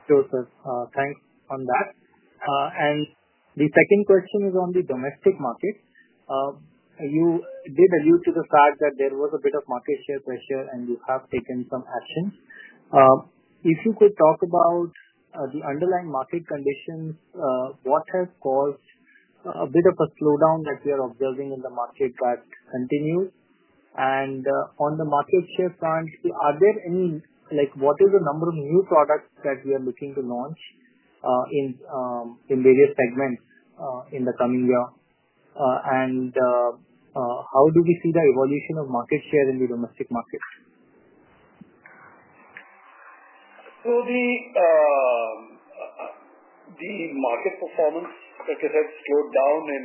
Sure, sir. Thanks on that. The second question is on the domestic market. You did allude to the fact that there was a bit of market share pressure, and you have taken some actions. If you could talk about the underlying market conditions, what has caused a bit of a slowdown that we are observing in the market that continues? On the market share front, are there any—what is the number of new products that we are looking to launch in various segments in the coming year? How do we see the evolution of market share in the domestic market? The market performance, like I said, slowed down in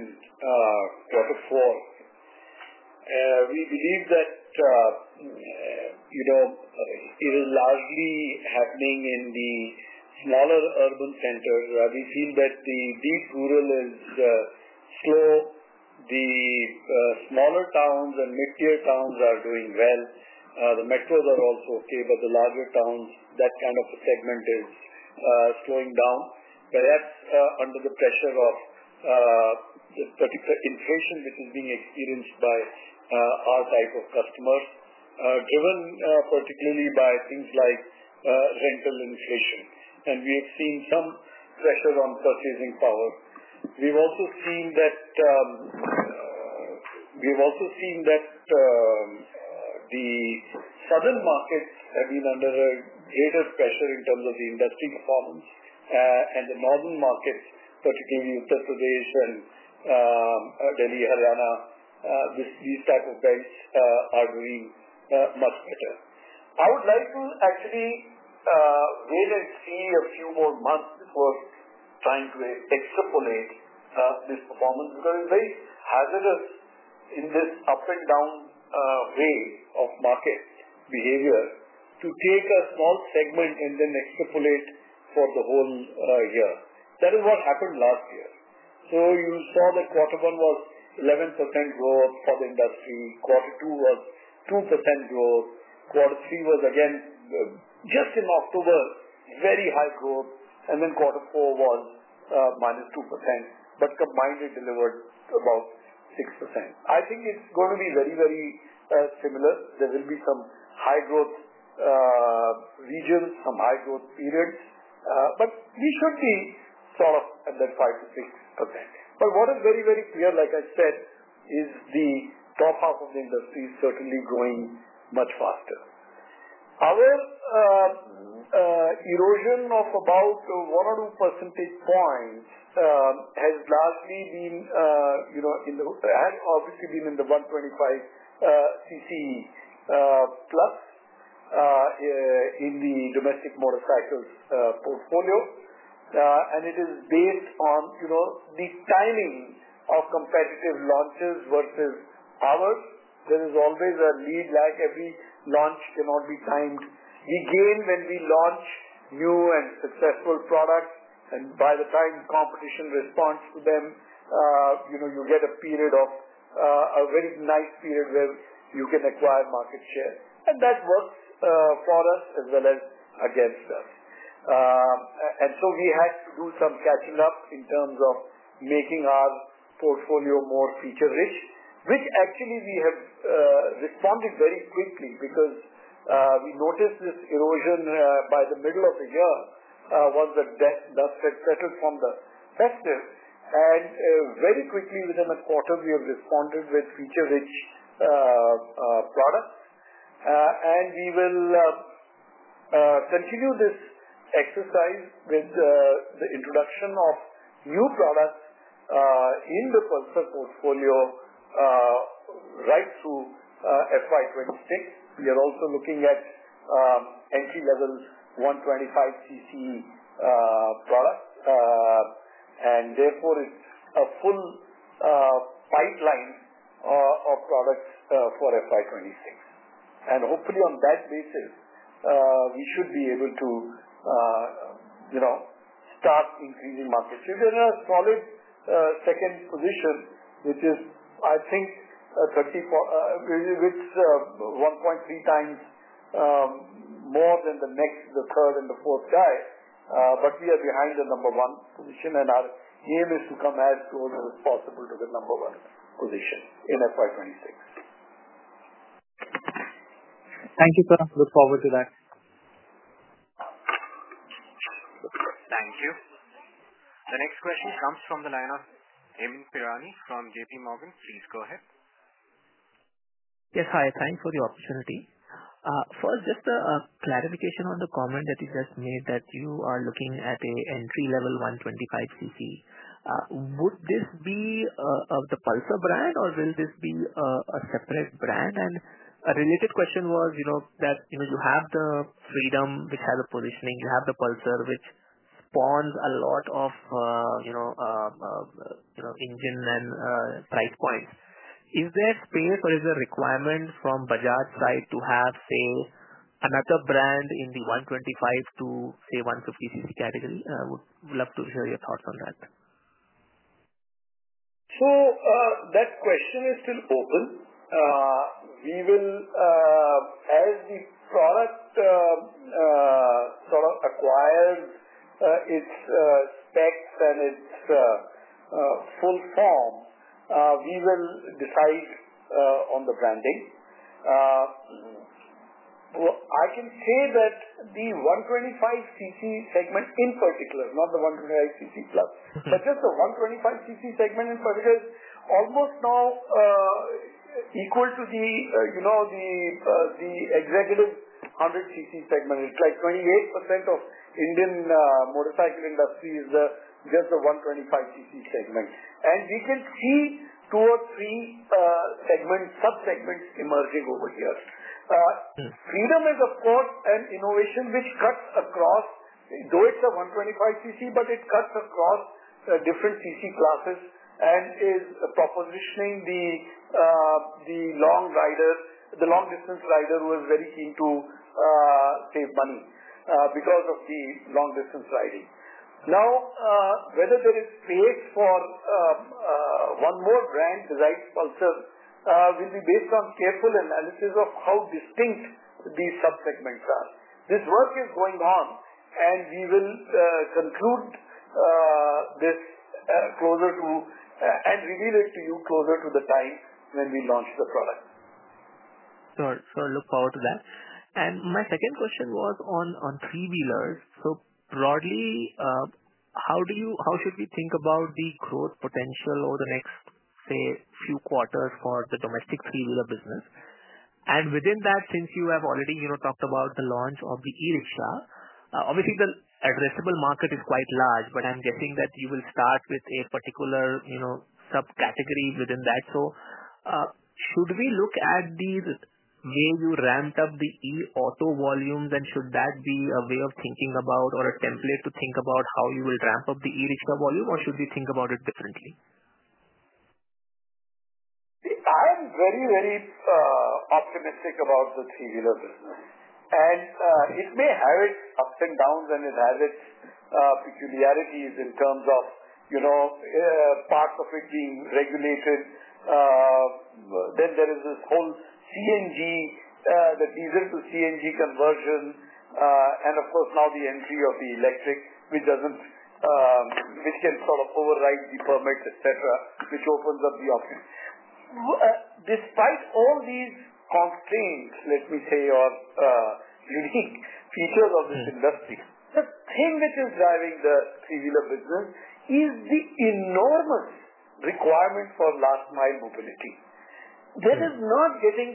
quarter four. We believe that it is largely happening in the smaller urban centers. We feel that the deep rural is slow. The smaller towns and mid-tier towns are doing well. The metros are also okay. The larger towns, that kind of a segment is slowing down. That is under the pressure of the particular inflation which is being experienced by our type of customers, driven particularly by things like rental inflation. We have seen some pressure on purchasing power. We've also seen that the southern markets have been under greater pressure in terms of the industry performance. The northern markets, particularly Uttar Pradesh, Delhi, Haryana, these types of banks are doing much better. I would like to actually wait and see a few more months before trying to extrapolate this performance because it's very hazardous in this up-and-down way of market behavior to take a small segment and then extrapolate for the whole year. That is what happened last year. You saw that quarter one was 11% growth for the industry. Quarter two was 2% growth. Quarter three was, again, just in October, very high growth. Quarter four was minus 2%. Combined, it delivered about 6%. I think it's going to be very, very similar. There will be some high-growth regions, some high-growth periods. We should be sort of at that 5%-6%. What is very, very clear, like I said, is the top half of the industry is certainly growing much faster. Our erosion of about 1 or 2 percentage points has largely been in the, has obviously been in the 125cc plus in the domestic motorcycles portfolio. It is based on the timing of competitive launches versus ours. There is always a lead lag. Every launch cannot be timed. We gain when we launch new and successful products. By the time competition responds to them, you get a period of a very nice period where you can acquire market share. That works for us as well as against us. We had to do some catching up in terms of making our portfolio more feature-rich, which actually we have responded very quickly because we noticed this erosion by the middle of the year once the dust had settled from the festive. Very quickly, within a quarter, we have responded with feature-rich products. We will continue this exercise with the introduction of new products in the Pulsar portfolio right through FY2026. We are also looking at entry-level 125cc products. Therefore, it is a full pipeline of products for FY2026. Hopefully, on that basis, we should be able to start increasing market share. There is a solid second position, which is, I think, 1.3 times more than the third and the fourth guy. We are behind the number one position. Our aim is to come as close as possible to the number one position in FY2026. Thank you, sir. Look forward to that. Thank you. The next question comes from the line of Amyn Pirani from JPMorgan. Please go ahead. Yes, hi. Thanks for the opportunity. First, just a clarification on the comment that you just made that you are looking at an entry-level 125cc. Would this be of the Pulsar brand, or will this be a separate brand? A related question was that you have the Freedom, which has a positioning. You have the Pulsar, which spawns a lot of engine and price points. Is there space or is there a requirement from Bajaj's side to have, say, another brand in the 125cc to, say, 150cc category? Would love to hear your thoughts on that. That question is still open. As the product sort of acquires its specs and its full form, we will decide on the branding. I can say that the 125cc segment in particular, not the 125cc plus, but just the 125cc segment in particular is almost now equal to the executive 100cc segment. It's like 28% of the Indian motorcycle industry is just the 125cc segment. We can see two or three subsegments emerging over here. Freedom is, of course, an innovation which cuts across, though it's a 125cc, but it cuts across different cc classes and is propositioning the long rider, the long-distance rider who is very keen to save money because of the long-distance riding. Now, whether there is space for one more brand besides Pulsar will be based on careful analysis of how distinct these subsegments are. This work is going on. We will conclude this closer to and reveal it to you closer to the time when we launch the product. Sure. Sure. Look forward to that. My second question was on three-wheelers. Broadly, how should we think about the growth potential over the next, say, few quarters for the domestic three-wheeler business? Within that, since you have already talked about the launch of the e-rickshaw, obviously, the addressable market is quite large. I'm guessing that you will start with a particular subcategory within that. Should we look at the way you ramped up the e-auto volumes, and should that be a way of thinking about or a template to think about how you will ramp up the e-rickshaw volume, or should we think about it differently? I am very, very optimistic about the three-wheeler business. It may have its ups and downs, and it has its peculiarities in terms of parts of it being regulated. There is this whole CNG, the diesel to CNG conversion. Of course, now the entry of the electric, which can sort of override the permit, etc., which opens up the option. Despite all these constraints, let me say, or unique features of this industry, the thing which is driving the three-wheeler business is the enormous requirement for last-mile mobility. That is not getting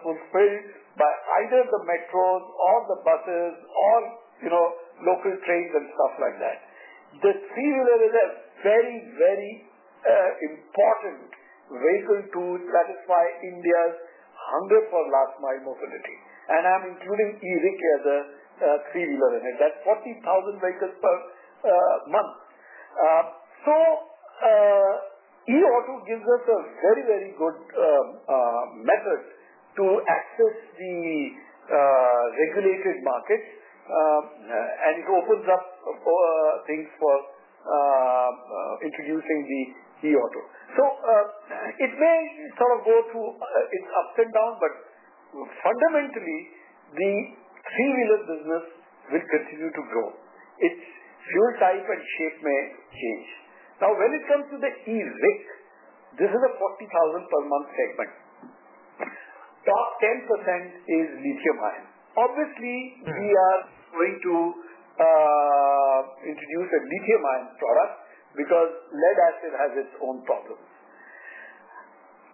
fulfilled by either the metros or the buses or local trains and stuff like that. The three-wheeler is a very, very important vehicle to satisfy India's hunger for last-mile mobility. I'm including e-rickshaw as a three-wheeler in it. That's 40,000 vehicles per month. E-auto gives us a very, very good method to access the regulated markets. It opens up things for introducing the e-auto. It may sort of go through its ups and downs. Fundamentally, the three-wheeler business will continue to grow. Its fuel type and shape may change. Now, when it comes to the e-rickshaw, this is a 40,000-per-month segment. Top 10% is lithium-ion. Obviously, we are going to introduce a lithium-ion product because lead acid has its own problems.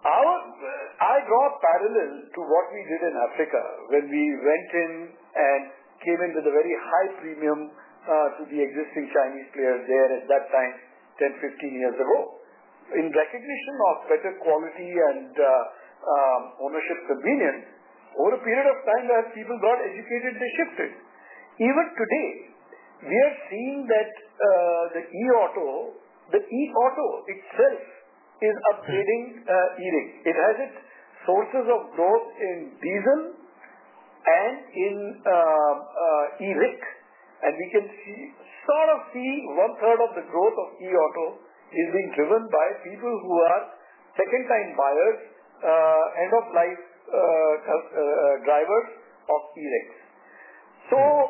I draw a parallel to what we did in Africa when we went in and came in with a very high premium to the existing Chinese players there at that time, 10-15 years ago. In recognition of better quality and ownership convenience, over a period of time as people got educated, they shifted. Even today, we are seeing that the e-auto itself is upgrading e-rickshaws. It has its sources of growth in diesel and in e-rickshaws. We can sort of see one-third of the growth of e-auto is being driven by people who are second-time buyers, end-of-life drivers of e-rickshaws.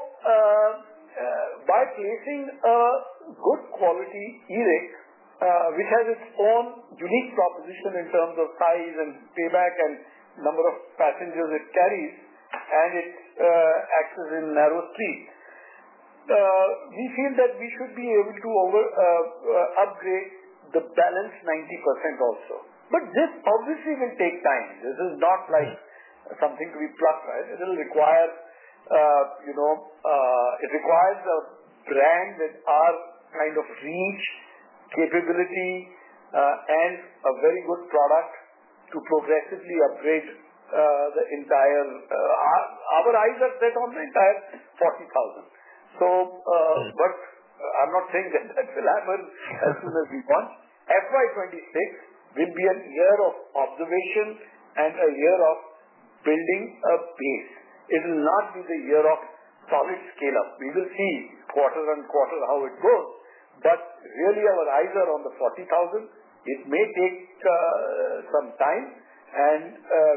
By placing a good quality e-rickshaw, which has its own unique proposition in terms of size and payback and number of passengers it carries and its access in narrow streets, we feel that we should be able to upgrade the balance 90% also. This obviously will take time. This is not like something to be plucked, right? It will require a brand with our kind of reach, capability, and a very good product to progressively upgrade the entire. Our eyes are set on the entire 40,000. I am not saying that that will happen as soon as we launch. FY2026 will be a year of observation and a year of building a base. It will not be the year of solid scale-up. We will see quarter and quarter how it goes. Really, our eyes are on the 40,000. It may take some time.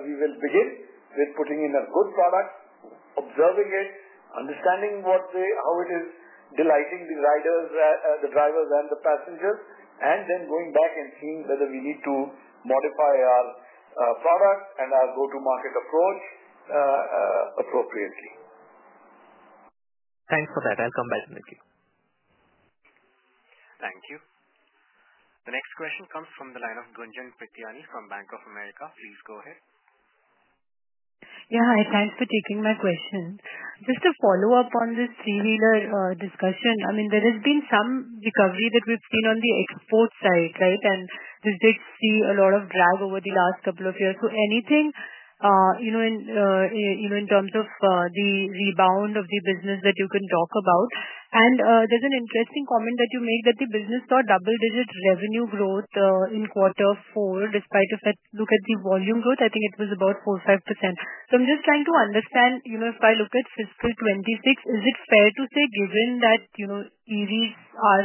We will begin with putting in a good product, observing it, understanding how it is delighting the riders, the drivers, and the passengers, and then going back and seeing whether we need to modify our product and our go-to-market approach appropriately. Thanks for that. I'll come back to it. Thank you. The next question comes from the line of Gunjan Prithyani from Bank of America. Please go ahead. Yeah. Hi. Thanks for taking my question. Just to follow up on this three-wheeler discussion, I mean, there has been some recovery that we've seen on the export side, right? This did see a lot of drag over the last couple of years. Anything in terms of the rebound of the business that you can talk about? There's an interesting comment that you made that the business saw double-digit revenue growth in quarter four despite the volume growth. I think it was about 4%-5%. I'm just trying to understand if I look at fiscal 2026, is it fair to say, given that EVs are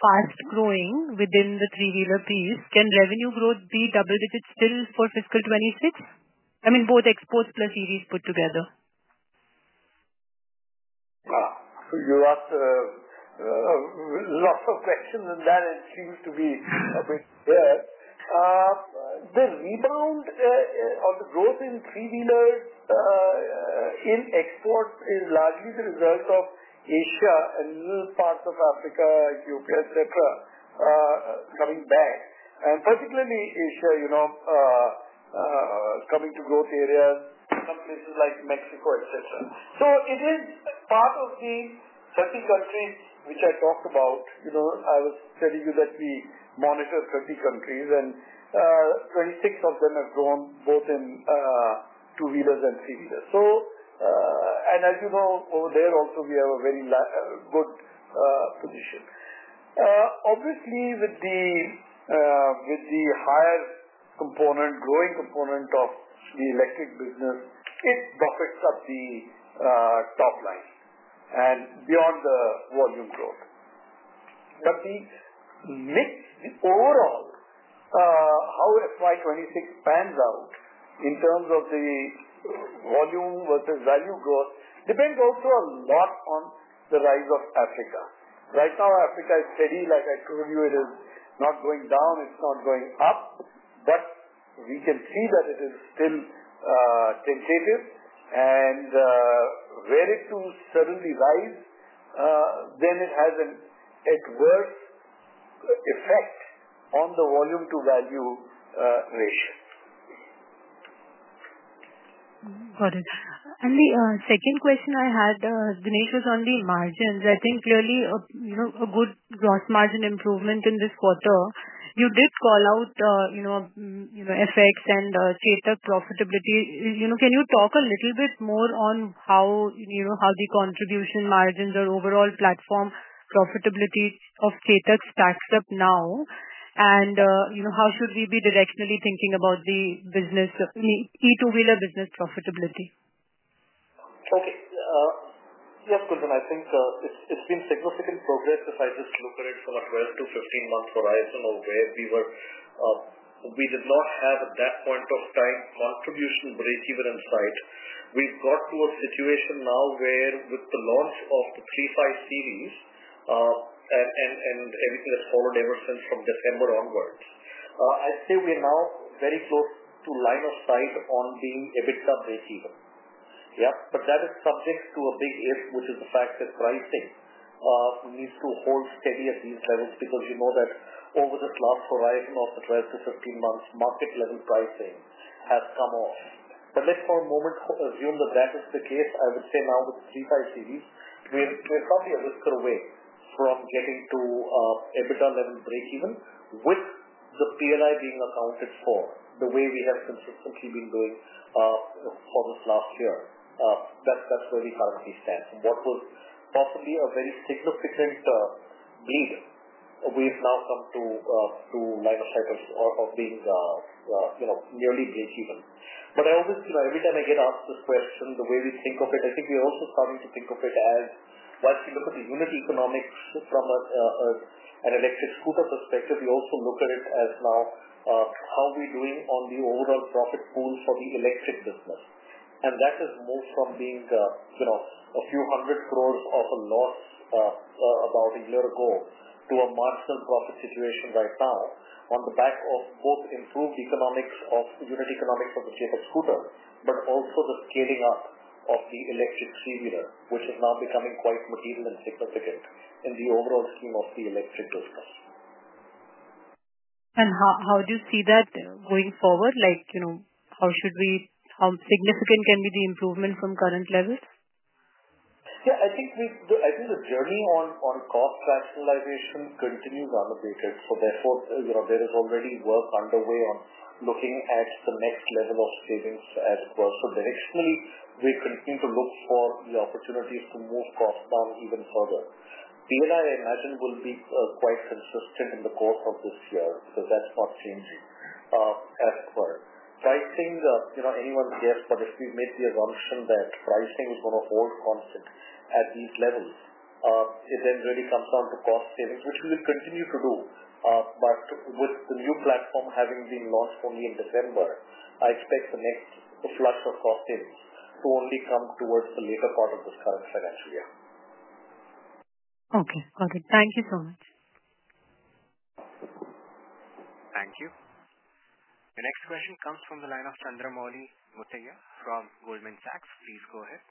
fast-growing within the three-wheeler piece, can revenue growth be double-digit still for fiscal 2026? I mean, both exports plus EVs put together. You asked lots of questions, and that seems to be a bit there. The rebound or the growth in three-wheelers in exports is largely the result of Asia and little parts of Africa, Europe, etc., coming back. Particularly Asia coming to growth areas, some places like Mexico, etc. It is part of the 30 countries which I talked about. I was telling you that we monitor 30 countries, and 26 of them have grown both in two-wheelers and three-wheelers. As you know, over there also, we have a very good position. Obviously, with the higher component, growing component of the electric business, it buffets up the top line and beyond the volume growth. The overall, how FY2026 pans out in terms of the volume versus value growth depends also a lot on the rise of Africa. Right now, Africa is steady. Like I told you, it is not going down. It is not going up. We can see that it is still tentative. Were it to suddenly rise, it has an adverse effect on the volume-to-value ratio. Got it. The second question I had, Dinesh, was on the margins. I think clearly a good gross margin improvement in this quarter. You did call out FX and Chetak profitability. Can you talk a little bit more on how the contribution margins or overall platform profitability of Chetak stacks up now? How should we be directionally thinking about the e-two-wheeler business profitability? Okay. Yes, Gunjan. I think it's been significant progress. If I just look at it from a 12-15 month horizon of where we were, we did not have at that point of time contribution break-even in sight. We've got to a situation now where, with the launch of the 35 series and everything that's followed ever since from December onwards, I'd say we are now very close to line of sight on being a bit above break-even. Yeah. That is subject to a big if, which is the fact that pricing needs to hold steady at these levels because you know that over this last horizon of the 12-15 months, market-level pricing has come off. Let's for a moment assume that that is the case. I would say now with the 35 series, we're probably a whisker away from getting to EBITDA-level break-even with the P&I being accounted for the way we have consistently been doing for this last year. That's where we currently stand. What was possibly a very significant bleed, we've now come to line of sight of being nearly break-even. I always, every time I get asked this question, the way we think of it, I think we're also starting to think of it as, once you look at the unit economics from an electric scooter perspective, we also look at it as now how we're doing on the overall profit pool for the electric business. That has moved from being a few hundred crore INR of a loss about a year ago to a marginal profit situation right now on the back of both improved economics of unit economics of the Chetak scooter, but also the scaling up of the electric three-wheeler, which is now becoming quite material and significant in the overall scheme of the electric business. How do you see that going forward? How significant can be the improvement from current levels? Yeah. I think the journey on cost rationalization continues unabated. Therefore, there is already work underway on looking at the next level of savings as well. Directionally, we continue to look for the opportunities to move costs down even further. P&I, I imagine, will be quite consistent in the course of this year because that's not changing as per. I think anyone's guess, but if we make the assumption that pricing is going to hold constant at these levels, it then really comes down to cost savings, which we will continue to do. With the new platform having been launched only in December, I expect the next flush of cost savings to only come towards the later part of this current financial year. Okay. Got it. Thank you so much. Thank you. The next question comes from the line of Chandramouli Muthiah from Goldman Sachs. Please go ahead.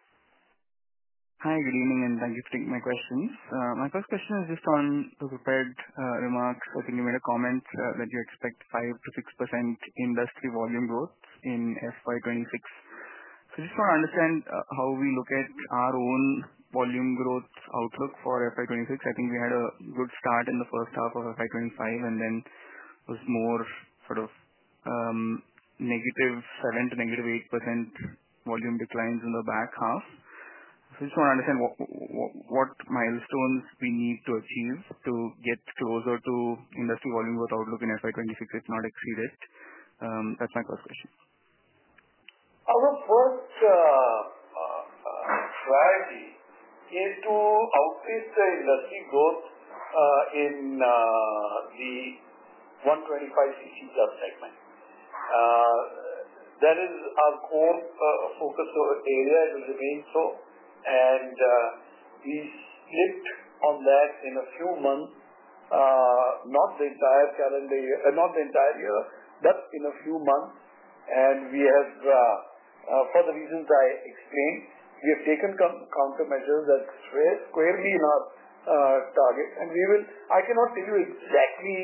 Hi. Good evening, and thank you for taking my questions. My first question is just on the prepared remarks. I think you made a comment that you expect 5%-6% industry volume growth in FY2026. I just want to understand how we look at our own volume growth outlook for FY2026. I think we had a good start in the first half of FY2025, and then it was more sort of negative 7% to negative 8% volume declines in the back half. I just want to understand what milestones we need to achieve to get closer to industry volume growth outlook in FY2026 if not exceeded. That's my first question. Our first strategy is to outpace the industry growth in the 125cc club segment. That is our core focus area. It will remain so. We slipped on that in a few months, not the entire calendar year, not the entire year, but in a few months. For the reasons I explained, we have taken countermeasures that squarely are targets. I cannot tell you exactly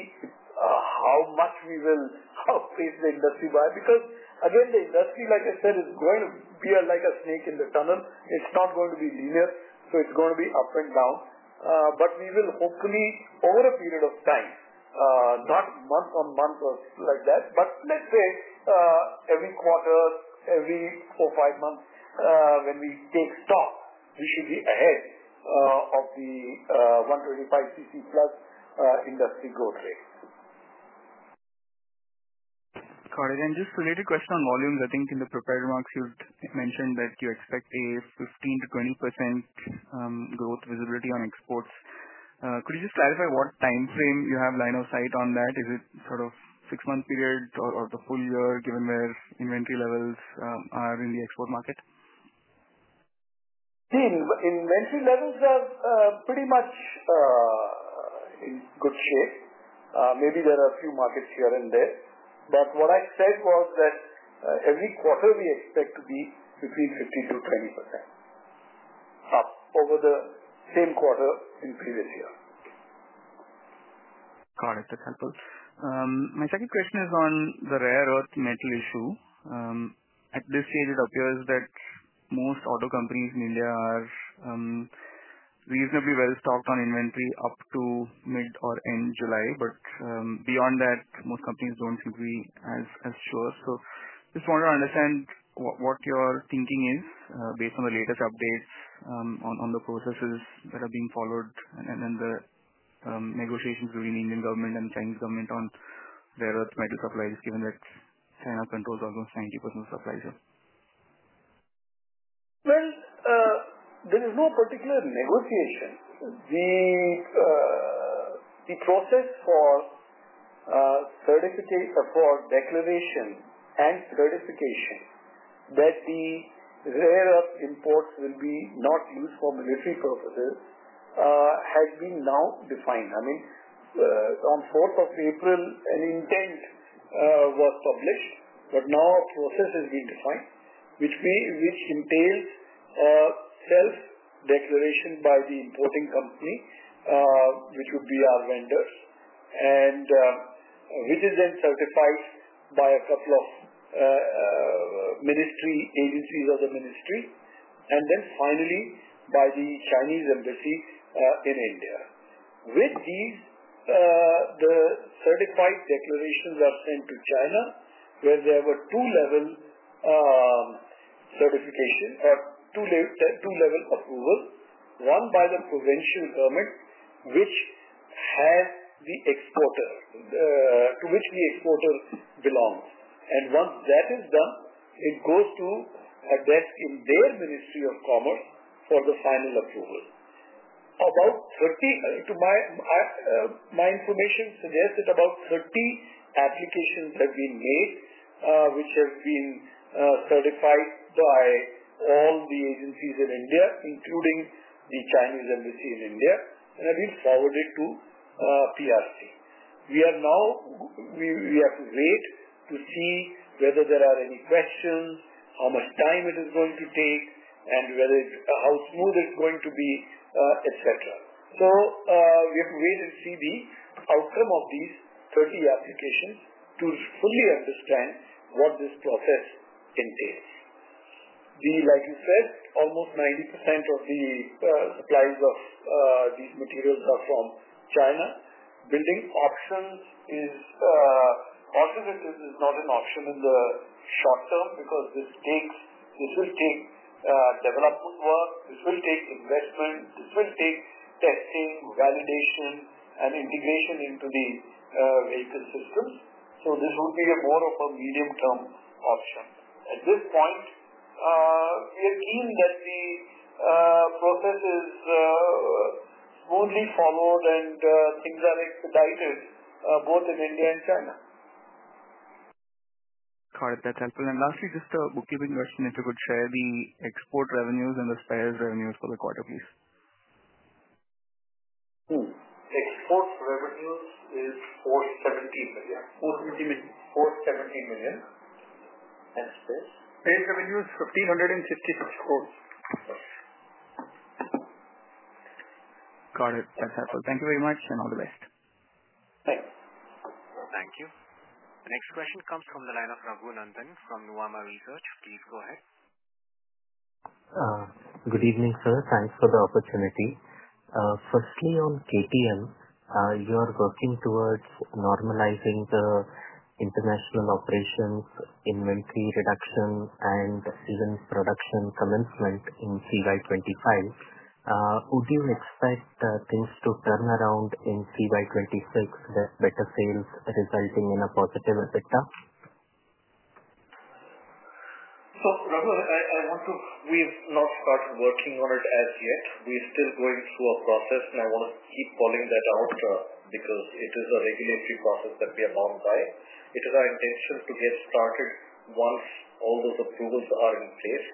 how much we will outpace the industry by because, again, the industry, like I said, is going to be like a snake in the tunnel. It is not going to be linear. It is going to be up and down. We will hopefully, over a period of time, not month on month or like that, but let's say every quarter, every four or five months, when we take stock, we should be ahead of the 125cc plus industry growth rate. Got it. Just related question on volumes. I think in the prepared remarks, you mentioned that you expect a 15%-20% growth visibility on exports. Could you just clarify what time frame you have line of sight on that? Is it sort of six-month period or the full year given where inventory levels are in the export market? Inventory levels are pretty much in good shape. Maybe there are a few markets here and there. What I said was that every quarter, we expect to be between 15%-20% up over the same quarter in previous year. Got it. That's helpful. My second question is on the rare earth metal issue. At this stage, it appears that most auto companies in India are reasonably well stocked on inventory up to mid or end July. Beyond that, most companies don't seem to be as sure. I just want to understand what your thinking is based on the latest updates on the processes that are being followed and then the negotiations between the Indian government and Chinese government on rare earth metal supplies, given that China controls almost 90% of supply. There is no particular negotiation. The process for declaration and certification that the rare earth imports will be not used for military purposes has been now defined. I mean, on 4th of April, an intent was published, but now a process has been defined, which entails self-declaration by the importing company, which would be our vendors, and which is then certified by a couple of ministry agencies of the ministry, and then finally by the Chinese embassy in India. With these, the certified declarations are sent to China, where there were two-level certification or two-level approval, one by the provincial government, which has the exporter to which the exporter belongs. Once that is done, it goes to a desk in their Ministry of Commerce for the final approval. To my information, suggest that about 30 applications have been made, which have been certified by all the agencies in India, including the Chinese embassy in India, and have been forwarded to PRC. We have to wait to see whether there are any questions, how much time it is going to take, and how smooth it's going to be, etc. We have to wait and see the outcome of these 30 applications to fully understand what this process entails. Like you said, almost 90% of the supplies of these materials are from China. Building options is also not an option in the short term because this will take development work. This will take investment. This will take testing, validation, and integration into the vehicle systems. This would be more of a medium-term option. At this point, we are keen that the process is smoothly followed and things are expedited both in India and China. Got it. That's helpful. Lastly, just a bookkeeping question. If you could share the export revenues and the spares revenues for the quarter, please. Export revenues is $470 million. $470 million. $470 million. And spares? Spares revenue is 1,566 crore. Got it. That's helpful. Thank you very much, and all the best. Thanks. Thank you. The next question comes from the line of Raghu Nandan from Nuvama Research. Please go ahead. Good evening, sir. Thanks for the opportunity. Firstly, on KTM, you are working towards normalizing the international operations, inventory reduction, and even production commencement in CY 2025. Would you expect things to turn around in CY 2026 with better sales resulting in a positive EBITDA? Raghu, we have not started working on it as yet. We are still going through a process, and I want to keep calling that out because it is a regulatory process that we are bound by. It is our intention to get started once all those approvals are in place.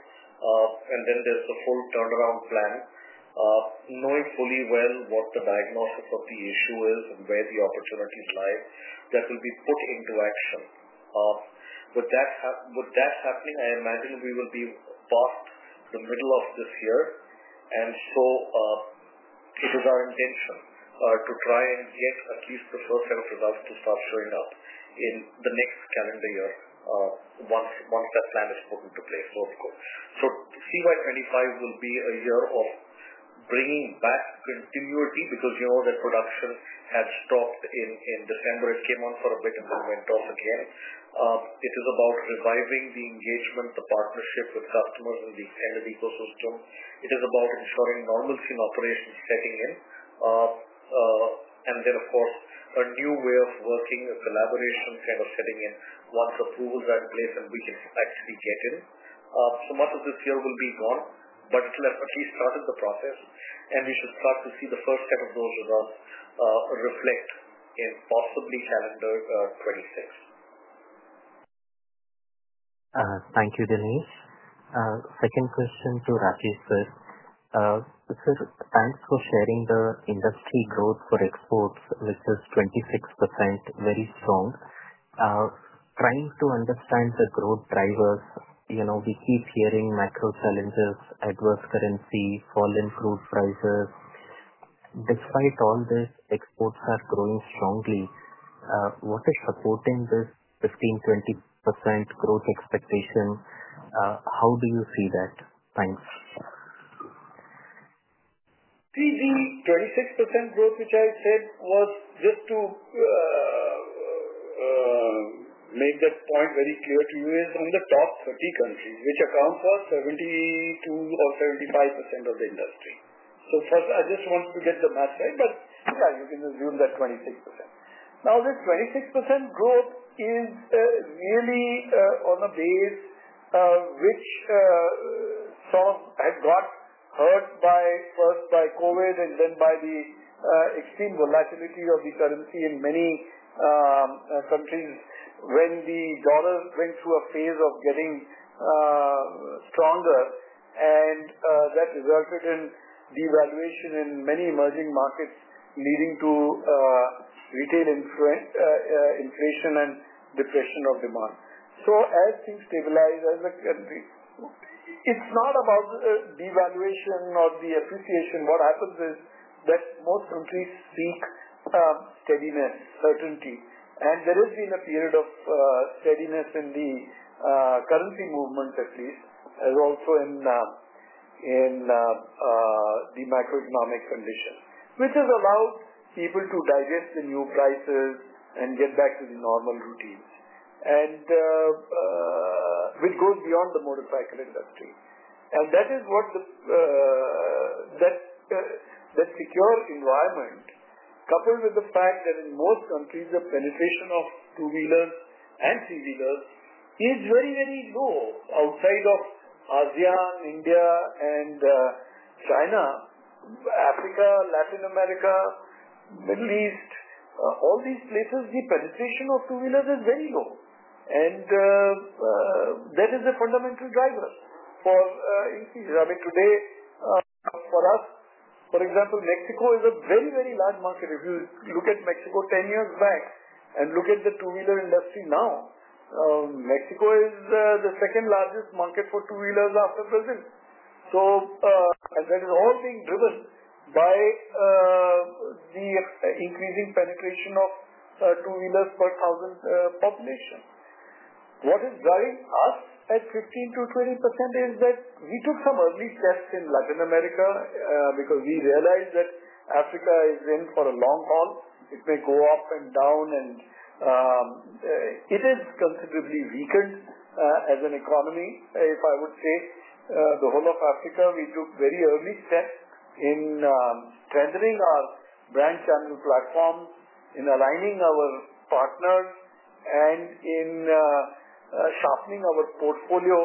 There is a full turnaround plan. Knowing fully well what the diagnosis of the issue is and where the opportunities lie, that will be put into action. With that happening, I imagine we will be past the middle of this year. It is our intention to try and get at least the first set of results to start showing up in the next calendar year once that plan is put into place. CY 2025 will be a year of bringing back continuity because you know that production had stopped in December. It came on for a bit and then went off again. It is about reviving the engagement, the partnership with customers and the extended ecosystem. It is about ensuring normalcy in operations setting in. Then, of course, a new way of working, a collaboration kind of setting in once approvals are in place and we can actually get in. Much of this year will be gone, but it will have at least started the process. We should start to see the first set of those results reflect in possibly calendar 2026. Thank you, Dinesh. Second question to Rakesh. Thanks for sharing the industry growth for exports, which is 26%, very strong. Trying to understand the growth drivers, we keep hearing macro challenges, adverse currency, fall in crude prices. Despite all this, exports are growing strongly. What is supporting this 15%-20% growth expectation? How do you see that? Thanks. See, the 26% growth, which I said was just to make that point very clear to you, is on the top 30 countries, which accounts for 72% or 75% of the industry. First, I just wanted to get the math right, but yeah, you can assume that 26%. Now, this 26% growth is really on a base which sort of had got hurt first by COVID and then by the extreme volatility of the currency in many countries when the dollar went through a phase of getting stronger. That resulted in devaluation in many emerging markets, leading to retail inflation and depression of demand. As things stabilize, it is not about devaluation or the appreciation. What happens is that most countries seek steadiness, certainty. There has been a period of steadiness in the currency movement, at least, as also in the macroeconomic condition, which has allowed people to digest the new prices and get back to the normal routines, which goes beyond the motorcycle industry. That is what the secure environment, coupled with the fact that in most countries, the penetration of two-wheelers and three-wheelers is very, very low. Outside of ASEAN, India, and China, Africa, Latin America, Middle East, all these places, the penetration of two-wheelers is very low. That is the fundamental driver for increases. I mean, today, for us, for example, Mexico is a very, very large market. If you look at Mexico 10 years back and look at the two-wheeler industry now, Mexico is the second largest market for two-wheelers after Brazil. That is all being driven by the increasing penetration of two-wheelers per 1,000 population. What is driving us at 15%-20% is that we took some early steps in Latin America because we realized that Africa is in for a long haul. It may go up and down, and it is considerably weakened as an economy, if I would say. The whole of Africa, we took very early steps in strengthening our branch and platforms, in aligning our partners, and in sharpening our portfolio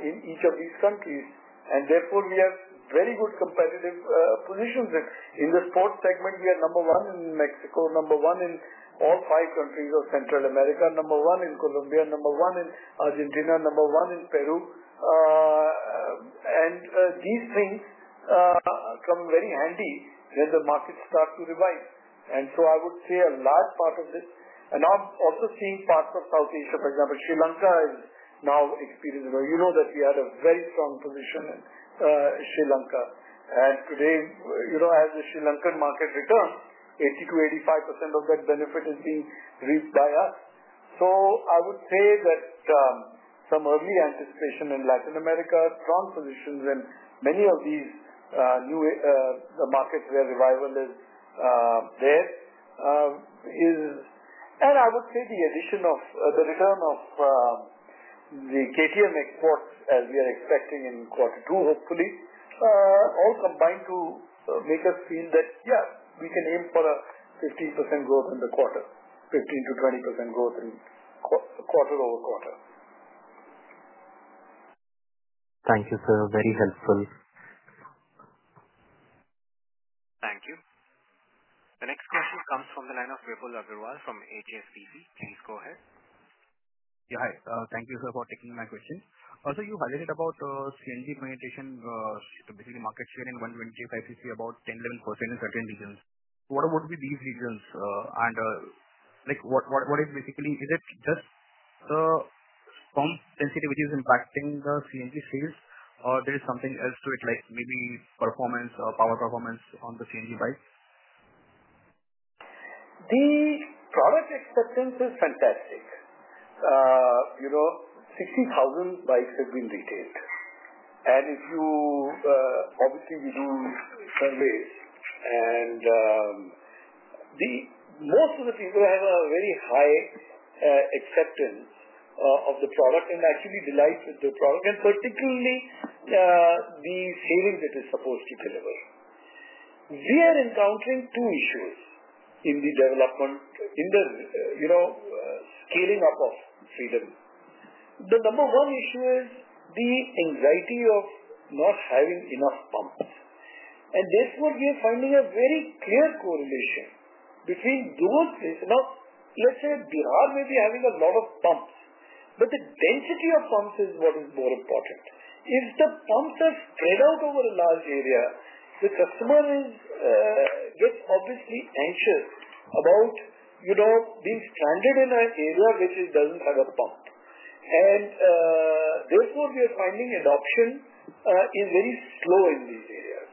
in each of these countries. Therefore, we have very good competitive positions. In the sports segment, we are number one in Mexico, number one in all five countries of Central America, number one in Colombia, number one in Argentina, number one in Peru. These things come very handy when the markets start to revive. I would say a large part of this, and I'm also seeing parts of South Asia, for example, Sri Lanka is now experiencing a—you know that we had a very strong position in Sri Lanka. Today, as the Sri Lankan market returns, 80%-85% of that benefit is being reaped by us. I would say that some early anticipation in Latin America, strong positions, and many of these new markets where revival is there. I would say the addition of the return of the KTM exports, as we are expecting in quarter two, hopefully, all combined to make us feel that, yeah, we can aim for a 15% growth in the quarter, 15%-20% growth in quarter-over-quarter. Thank you, sir. Very helpful. Thank you. The next question comes from the line of Vipul Agrawal from HSBC. Please go ahead. Yeah, hi. Thank you, sir, for taking my question. Also, you highlighted about CNG penetration, basically market share in 125cc, about 10%-11% in certain regions. What would be these regions? And what is basically—is it just the storm sensitivity which is impacting the CNG sales, or there is something else to it, like maybe performance or power performance on the CNG bikes? The product acceptance is fantastic. 60,000 bikes have been retailed. Obviously, we do surveys. Most of the people have a very high acceptance of the product and actually delight with the product, and particularly the savings it is supposed to deliver. We are encountering two issues in the development, in the scaling up of Freedom. The number one issue is the anxiety of not having enough pumps. Therefore, we are finding a very clear correlation between those—let's say Bihar may be having a lot of pumps, but the density of pumps is what is more important. If the pumps are spread out over a large area, the customer gets obviously anxious about being stranded in an area which does not have a pump. Therefore, we are finding adoption is very slow in these areas.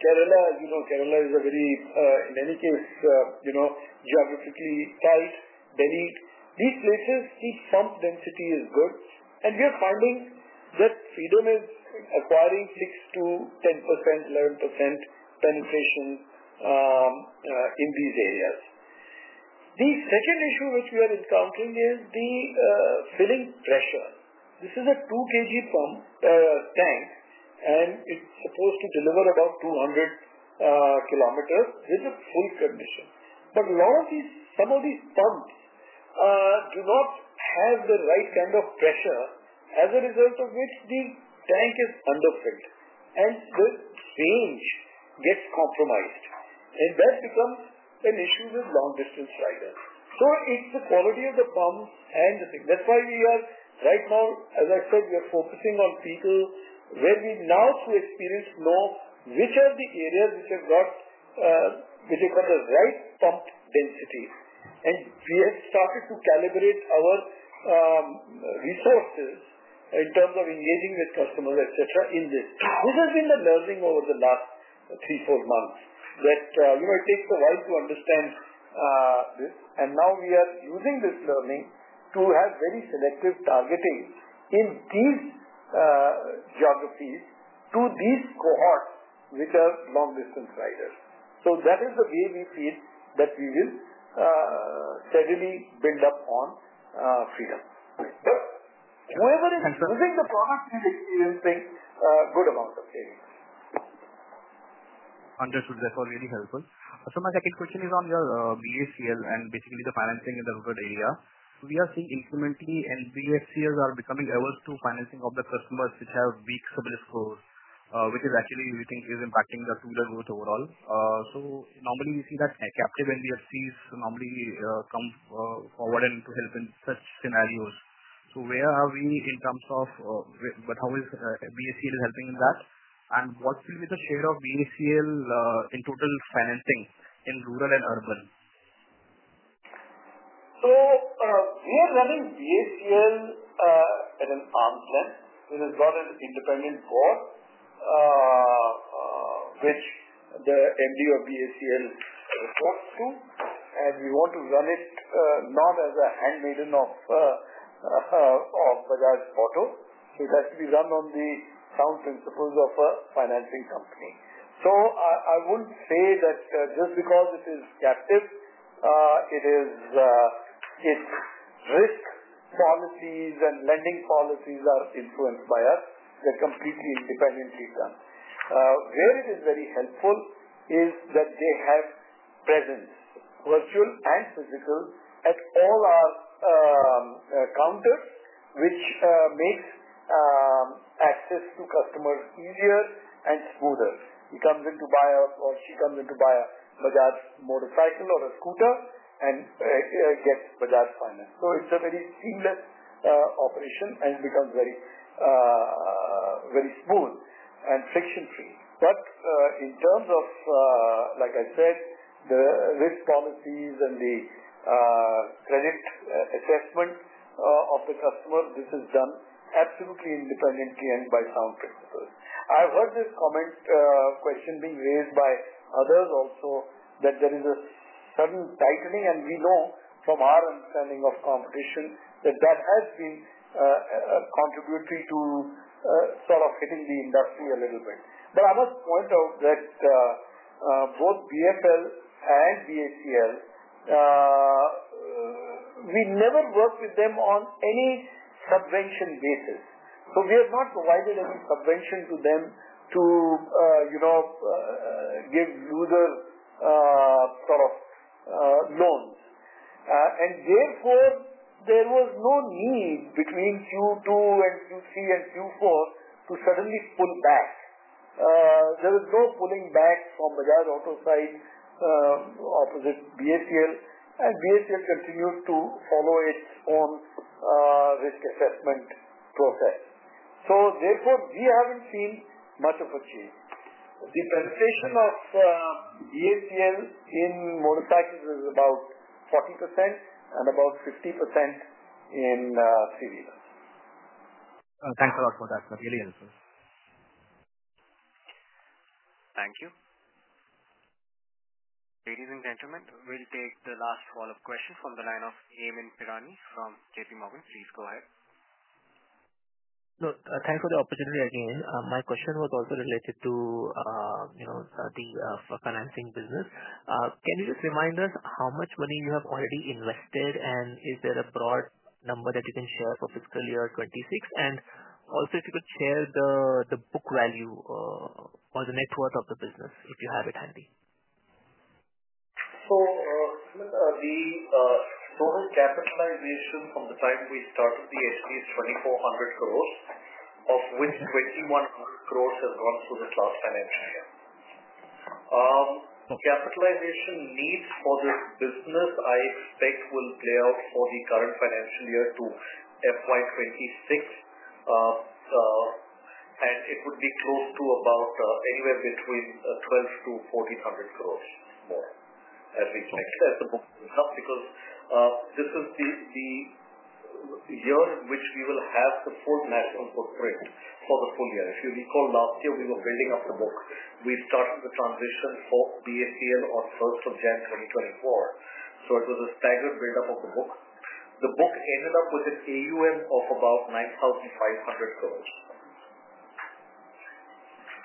Kerala, you know, Kerala is a very, in any case, geographically tight, bellied. These places, the pump density is good. We are finding that Freedom is acquiring 6%-10%, 11% penetration in these areas. The second issue which we are encountering is the filling pressure. This is a 2 kg tank, and it is supposed to deliver about 200 kilometers with a full condition. Some of these pumps do not have the right kind of pressure, as a result of which the tank is underfilled. The range gets compromised. That becomes an issue with long-distance riders. It is the quality of the pumps and the thing. That is why we are right now, as I said, focusing on people where we now still experience no—which are the areas which have got the right pump density? We have started to calibrate our resources in terms of engaging with customers, etc., in this. This has been the learning over the last three or four months that it takes a while to understand this. Now we are using this learning to have very selective targeting in these geographies to these cohorts which are long-distance riders. That is the way we feel that we will steadily build up on Freedom. Whoever is using the product is experiencing a good amount of savings. Understood. That's all really helpful. My second question is on your BACL and basically the financing in the rural area. We are seeing incrementally NBFCs are becoming averse to financing of the customers which have weak service scores, which is actually, we think, is impacting the two-wheeler growth overall. Normally, we see that captive NBFCs normally come forward to help in such scenarios. Where are we in terms of—but how is BACL helping in that? What will be the share of BACL in total financing in rural and urban? We are running BACL in an arm's length. It has got an independent board which the MD of BACL reports to. We want to run it not as a handmaiden of Bajaj Auto. It has to be run on the sound principles of a financing company. I would not say that just because it is captive, its risk policies and lending policies are influenced by us. They are completely independently done. Where it is very helpful is that they have presence, virtual and physical, at all our counters, which makes access to customers easier and smoother. He comes in to buy a—or she comes in to buy a Bajaj motorcycle or a scooter and gets Bajaj finance. It is a very seamless operation, and it becomes very smooth and friction-free. In terms of, like I said, the risk policies and the credit assessment of the customers, this is done absolutely independently and by sound principles. I've heard this comment, question being raised by others also, that there is a sudden tightening. We know from our understanding of competition that that has been contributory to sort of hitting the industry a little bit. I must point out that both BFL and BHCL, we never worked with them on any subvention basis. We have not provided any subvention to them to give luder sort of loans. Therefore, there was no need between Q2 and Q3 and Q4 to suddenly pull back. There was no pulling back from Bajaj Auto side opposite BHCL. BHCL continued to follow its own risk assessment process. Therefore, we haven't seen much of a change. The penetration of Bajaj Auto Credit Limited in motorcycles is about 40% and about 50% in three-wheelers. Thanks a lot for that. That really helps. Thank you. Ladies and gentlemen, we'll take the last follow-up question from the line of Amyn Pirani from JPMorgan Chase & Co. Please go ahead. Thanks for the opportunity again. My question was also related to the financing business. Can you just remind us how much money you have already invested, and is there a broad number that you can share for fiscal year 2026? Also, if you could share the book value or the net worth of the business, if you have it handy. The total capitalization from the time we started the HD is 2,400 crore, of which 2,100 crore has gone through the last financial year. Capitalization needs for this business, I expect, will play out for the current financial year to FY 2026. It would be close to about anywhere between 1,200-1,400 crore more as we expect at the book window because this is the year in which we will have the full national footprint for the full year. If you recall, last year, we were building up the book. We started the transition for BHCL on 1st of January 2024. It was a staggered build-up of the book. The book ended up with an AUM of about 9,500 crore.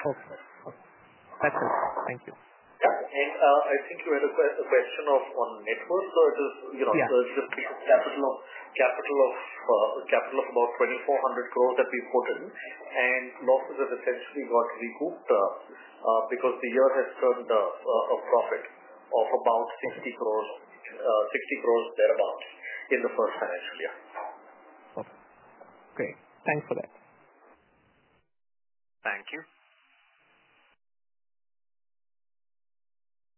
Okay. Excellent. Thank you. Yeah. I think you had a question on net worth. It is just capital of about 2,400 crore that we put in. Losses have essentially got recouped because the year has turned a profit of about 60 crore, 60 crore thereabouts in the first financial year. Okay. Great. Thanks for that. Thank you.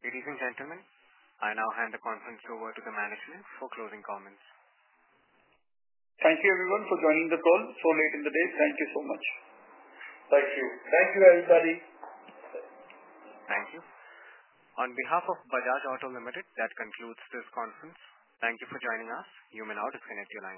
Ladies and gentlemen, I now hand the conference over to the management for closing comments. Thank you, everyone, for joining the call so late in the day. Thank you so much. Thank you. Thank you, everybody. Thank you. On behalf of Bajaj Auto Limited, that concludes this conference. Thank you for joining us. You may now disconnect the line.